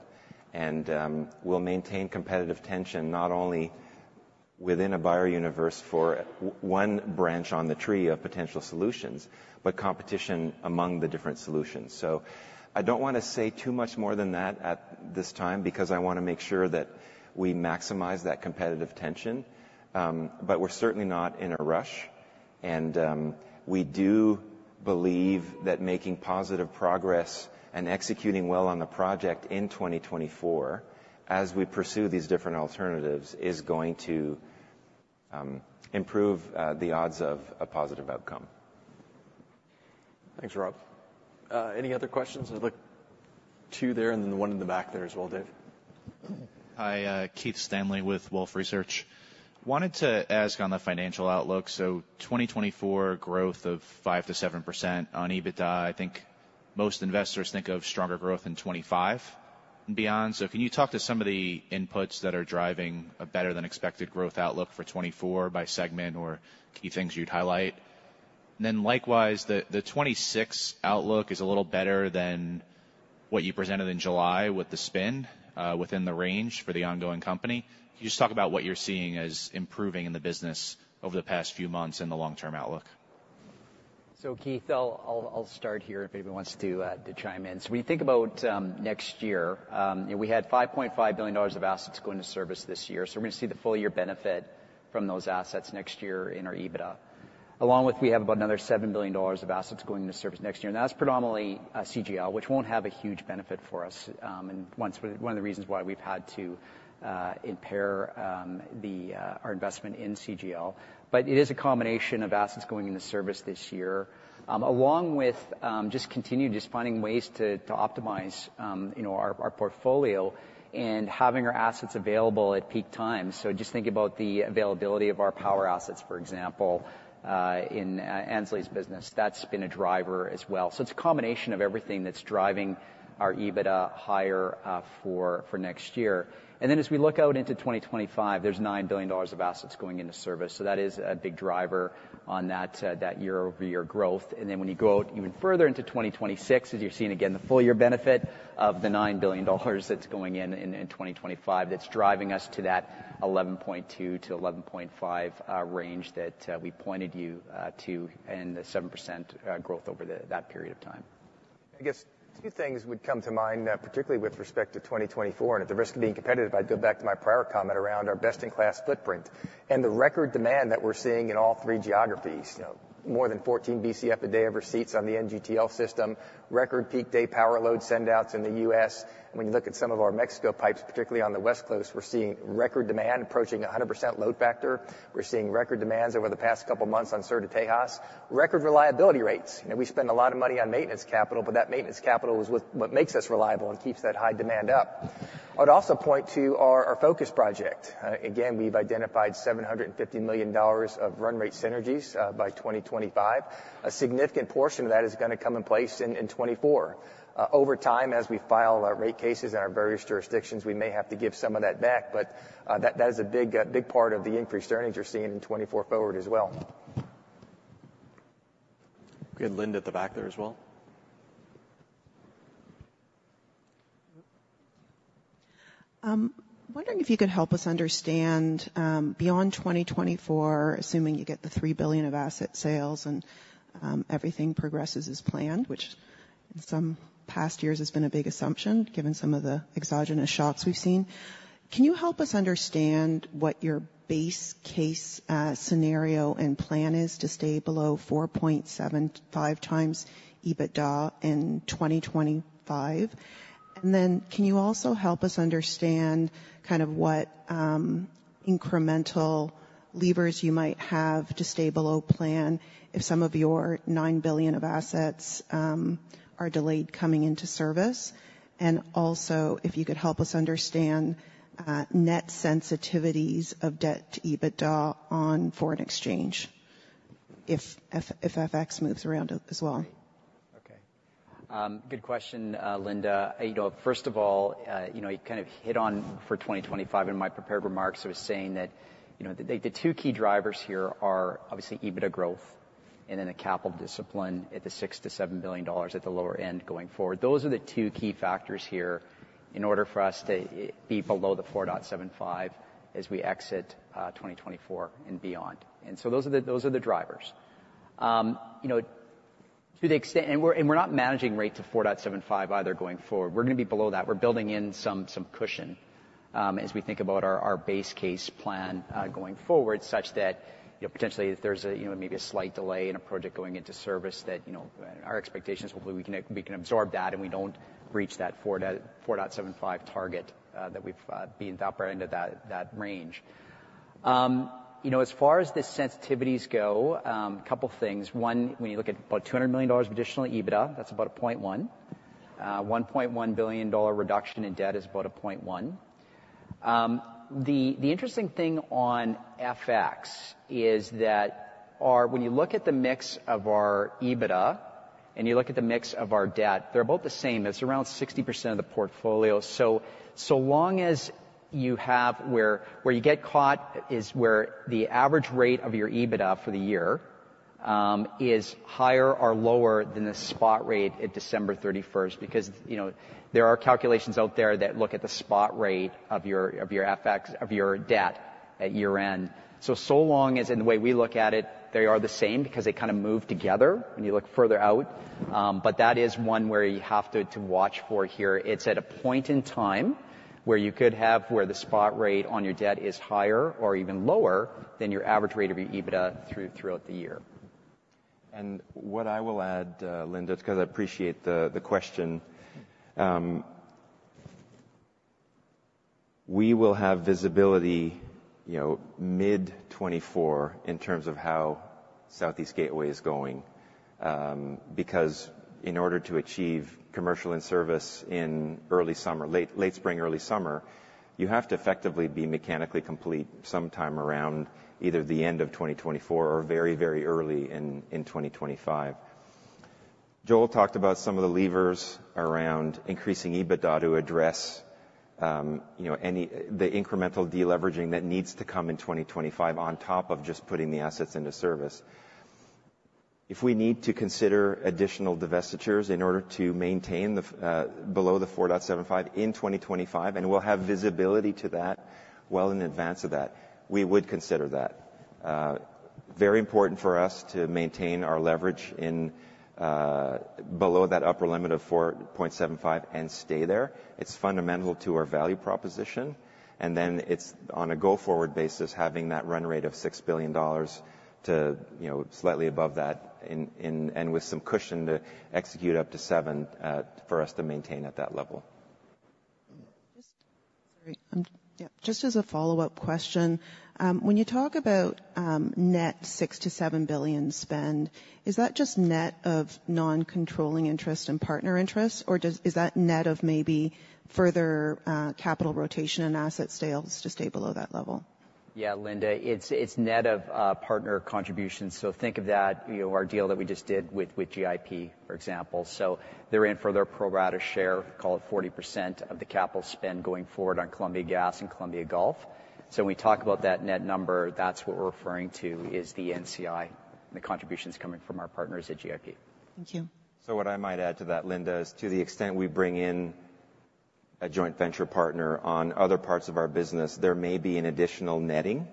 We'll maintain competitive tension, not only within a buyer universe for one branch on the tree of potential solutions, but competition among the different solutions. I don't wanna say too much more than that at this time, because I wanna make sure that we maximize that competitive tension. We're certainly not in a rush, and we do believe that making positive progress and executing well on the project in 2024, as we pursue these different alternatives, is going to improve the odds of a positive outcome. Thanks, Rob. Any other questions? I'd like... Two there, and then one in the back there as well, Dave. Hi, Keith Stanley with Wolfe Research. Wanted to ask on the financial outlook, so 2024 growth of 5%-7% on EBITDA, I think most investors think of stronger growth in 2025 and beyond. So can you talk to some of the inputs that are driving a better-than-expected growth outlook for 2024 by segment or key things you'd highlight? And then likewise, the 2026 outlook is a little better than what you presented in July with the spin, within the range for the ongoing company. Can you just talk about what you're seeing as improving in the business over the past few months in the long-term outlook?... So Keith, I'll start here if anybody wants to chime in. So when you think about next year, you know, we had $5.5 billion of assets go into service this year, so we're gonna see the full year benefit from those assets next year in our EBITDA. Along with, we have about another 7 billion dollars of assets going into service next year, and that's predominantly CGL, which won't have a huge benefit for us, and one of the reasons why we've had to impair our investment in CGL. But it is a combination of assets going into service this year, along with just continuing finding ways to optimize, you know, our portfolio and having our assets available at peak times. So just think about the availability of our power assets, for example, in Annesley's business. That's been a driver as well. So it's a combination of everything that's driving our EBITDA higher for next year. And then as we look out into 2025, there's 9 billion dollars of assets going into service, so that is a big driver on that year-over-year growth. And then when you go out even further into 2026, as you're seeing again, the full year benefit of the 9 billion dollars that's going in 2025, that's driving us to that 11.2-11.5 range that we pointed you to, and the 7% growth over that period of time. I guess two things would come to mind, particularly with respect to 2024, and at the risk of being competitive, I'd go back to my prior comment around our best-in-class footprint and the record demand that we're seeing in all three geographies. You know, more than 14 BCF a day of receipts on the NGTL system, record peak day power load sendouts in the U.S. When you look at some of our Mexico pipes, particularly on the West Coast, we're seeing record demand approaching a 100% load factor. We're seeing record demands over the past couple of months on Sur de Texas. Record reliability rates. You know, we spend a lot of money on maintenance capital, but that maintenance capital is what makes us reliable and keeps that high demand up. I'd also point to our Focus project. Again, we've identified 750 million dollars of run rate synergies by 2025. A significant portion of that is gonna come in place in 2024. Over time, as we file our rate cases in our various jurisdictions, we may have to give some of that back, but, that is a big, big part of the increased earnings you're seeing in 2024 forward as well. We had Linda at the back there as well. Wondering if you could help us understand, beyond 2024, assuming you get the 3 billion of asset sales and everything progresses as planned, which in some past years has been a big assumption, given some of the exogenous shocks we've seen. Can you help us understand what your base case scenario and plan is to stay below 4.75x EBITDA in 2025? And then can you also help us understand kind of what incremental levers you might have to stay below plan if some of your 9 billion of assets are delayed coming into service? And also, if you could help us understand net sensitivities of debt-to-EBITDA on foreign exchange, if FX moves around as well. Okay. Good question, Linda. You know, first of all, you know, I kind of hit on for 2025 in my prepared remarks, was saying that, you know, the, the two key drivers here are obviously EBITDA growth and then the capital discipline at the 6 billion-7 billion dollars at the lower end going forward. Those are the two key factors here in order for us to, be below the 4.75 as we exit, 2024 and beyond. And so those are the, those are the drivers. You know, to the extent, and we're, and we're not managing rate to 4.75 either going forward. We're gonna be below that. We're building in some cushion as we think about our base case plan going forward, such that, you know, potentially if there's a, you know, maybe a slight delay in a project going into service, that, you know, our expectations, hopefully we can absorb that, and we don't reach that 4.4-7.5 target that we've been the upper end of that range. You know, as far as the sensitivities go, a couple things. One, when you look at about $200 million of additional EBITDA, that's about a 0.1. One point one billion dollar reduction in debt is about a 0.1. The interesting thing on FX is that our—when you look at the mix of our EBITDA, and you look at the mix of our debt, they're about the same. It's around 60% of the portfolio. So long as you have where you get caught is where the average rate of your EBITDA for the year is higher or lower than the spot rate at December thirty-first. Because, you know, there are calculations out there that look at the spot rate of your FX, of your debt at year-end. So long as in the way we look at it, they are the same because they kind of move together when you look further out. But that is one where you have to watch for here. It's at a point in time where you could have, where the spot rate on your debt is higher or even lower than your average rate of your EBITDA throughout the year. What I will add, Linda, because I appreciate the question. We will have visibility, you know, mid-2024 in terms of how Southeast Gateway is going, because in order to achieve commercial and service in early summer, late spring, early summer, you have to effectively be mechanically complete sometime around either the end of 2024 or very early in 2025. Joel talked about some of the levers around increasing EBITDA to address, you know, the incremental deleveraging that needs to come in 2025 on top of just putting the assets into service. If we need to consider additional divestitures in order to maintain below the 4.75 in 2025, and we'll have visibility to that well in advance of that, we would consider that. Very important for us to maintain our leverage in below that upper limit of 4.75 and stay there. It's fundamental to our value proposition, and then it's on a go-forward basis, having that run rate of 6 billion dollars to, you know, slightly above that, and with some cushion to execute up to 7 billion, for us to maintain at that level. Just as a follow-up question, when you talk about net 6 billion-7 billion spend, is that just net of non-controlling interest and partner interests, or does—is that net of maybe further capital rotation and asset sales to stay below that level? Yeah, Linda, it's net of partner contributions. So think of that, you know, our deal that we just did with GIP, for example. So they're in for their pro rata share, call it 40% of the capital spend going forward on Columbia Gas and Columbia Gulf. So when we talk about that net number, that's what we're referring to, is the NCI and the contributions coming from our partners at GIP. Thank you. What I might add to that, Linda, is to the extent we bring in a joint venture partner on other parts of our business, there may be an additional netting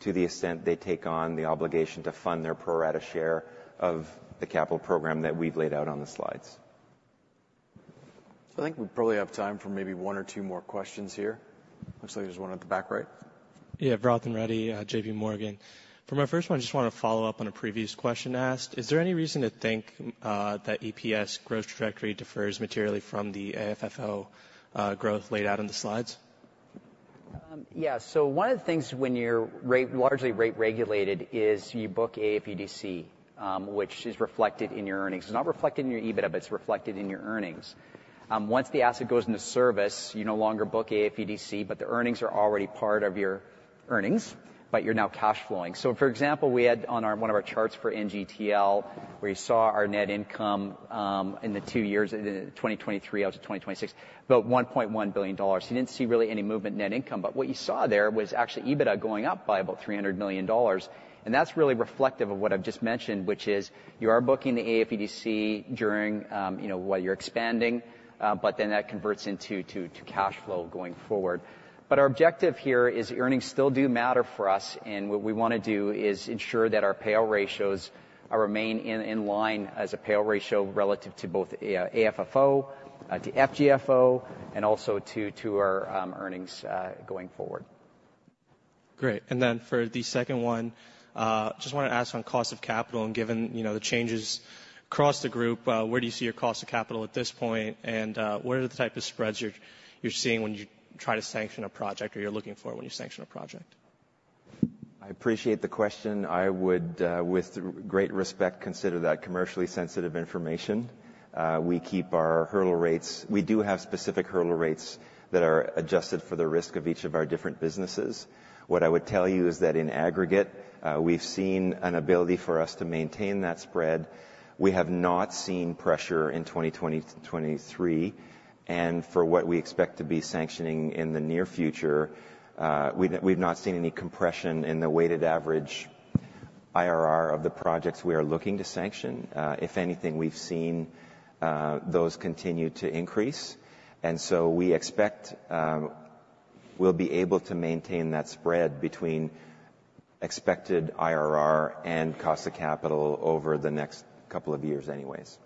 to the extent they take on the obligation to fund their pro rata share of the capital program that we've laid out on the slides. So I think we probably have time for maybe one or two more questions here. Looks like there's one at the back right. Yeah, Rohan Reddy, J.P. Morgan. For my first one, I just wanna follow up on a previous question asked: Is there any reason to think that EPS growth trajectory differs materially from the AFFO growth laid out in the slides? Yeah. So one of the things when you're largely rate regulated is you book AFUDC, which is reflected in your earnings. It's not reflected in your EBITDA, but it's reflected in your earnings. Once the asset goes into service, you no longer book AFUDC, but the earnings are already part of your earnings, but you're now cash flowing. So for example, we had on our, one of our charts for NGTL, where you saw our net income, in the two years, in 2023 out to 2026, about $1.1 billion. You didn't see really any movement in net income, but what you saw there was actually EBITDA going up by about $300 million, and that's really reflective of what I've just mentioned, which is you are booking the AFUDC during, you know, while you're expanding, but then that converts into cash flow going forward. But our objective here is earnings still do matter for us, and what we wanna do is ensure that our payout ratios remain in line as a payout ratio relative to both AFFO to FGFO and also to our earnings going forward. Great. And then for the second one, just wanna ask on cost of capital, and given, you know, the changes across the group, where do you see your cost of capital at this point? And, what are the type of spreads you're seeing when you try to sanction a project, or you're looking for when you sanction a project? I appreciate the question. I would, with great respect, consider that commercially sensitive information. We keep our hurdle rates... We do have specific hurdle rates that are adjusted for the risk of each of our different businesses. What I would tell you is that in aggregate, we've seen an ability for us to maintain that spread. We have not seen pressure in 2020-2023, and for what we expect to be sanctioning in the near future, we've not seen any compression in the weighted average IRR of the projects we are looking to sanction. If anything, we've seen those continue to increase, and so we expect we'll be able to maintain that spread between expected IRR and cost of capital over the next couple of years anyways.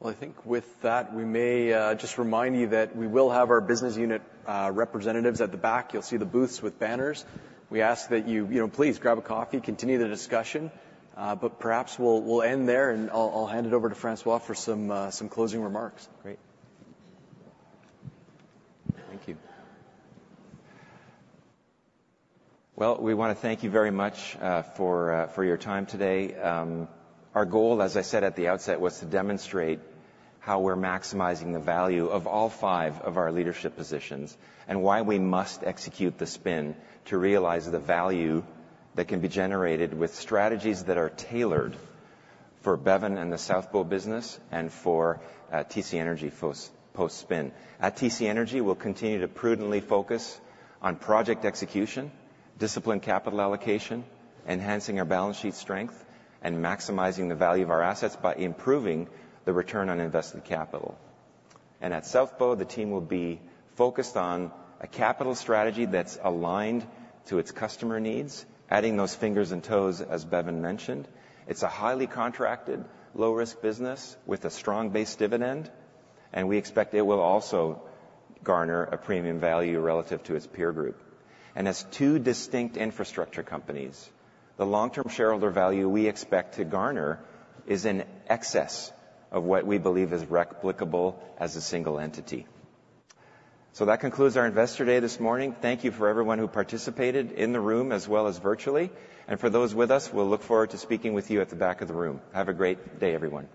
Well, I think with that, we may just remind you that we will have our business unit representatives at the back. You'll see the booths with banners. We ask that you, you know, please grab a coffee, continue the discussion, but perhaps we'll end there, and I'll hand it over to François for some closing remarks. Great. Thank you. Well, we wanna thank you very much for your time today. Our goal, as I said at the outset, was to demonstrate how we're maximizing the value of all five of our leadership positions, and why we must execute the spin to realize the value that can be generated with strategies that are tailored for Bevin and the South Bow business and for TC Energy post spin. At TC Energy, we'll continue to prudently focus on project execution, disciplined capital allocation, enhancing our balance sheet strength, and maximizing the value of our assets by improving the return on invested capital. And at South Bow, the team will be focused on a capital strategy that's aligned to its customer needs, adding those fingers and toes, as Bevin mentioned. It's a highly contracted, low-risk business with a strong base dividend, and we expect it will also garner a premium value relative to its peer group. As two distinct infrastructure companies, the long-term shareholder value we expect to garner is in excess of what we believe is replicable as a single entity. That concludes our investor day this morning. Thank you for everyone who participated in the room as well as virtually. For those with us, we'll look forward to speaking with you at the back of the room. Have a great day, everyone!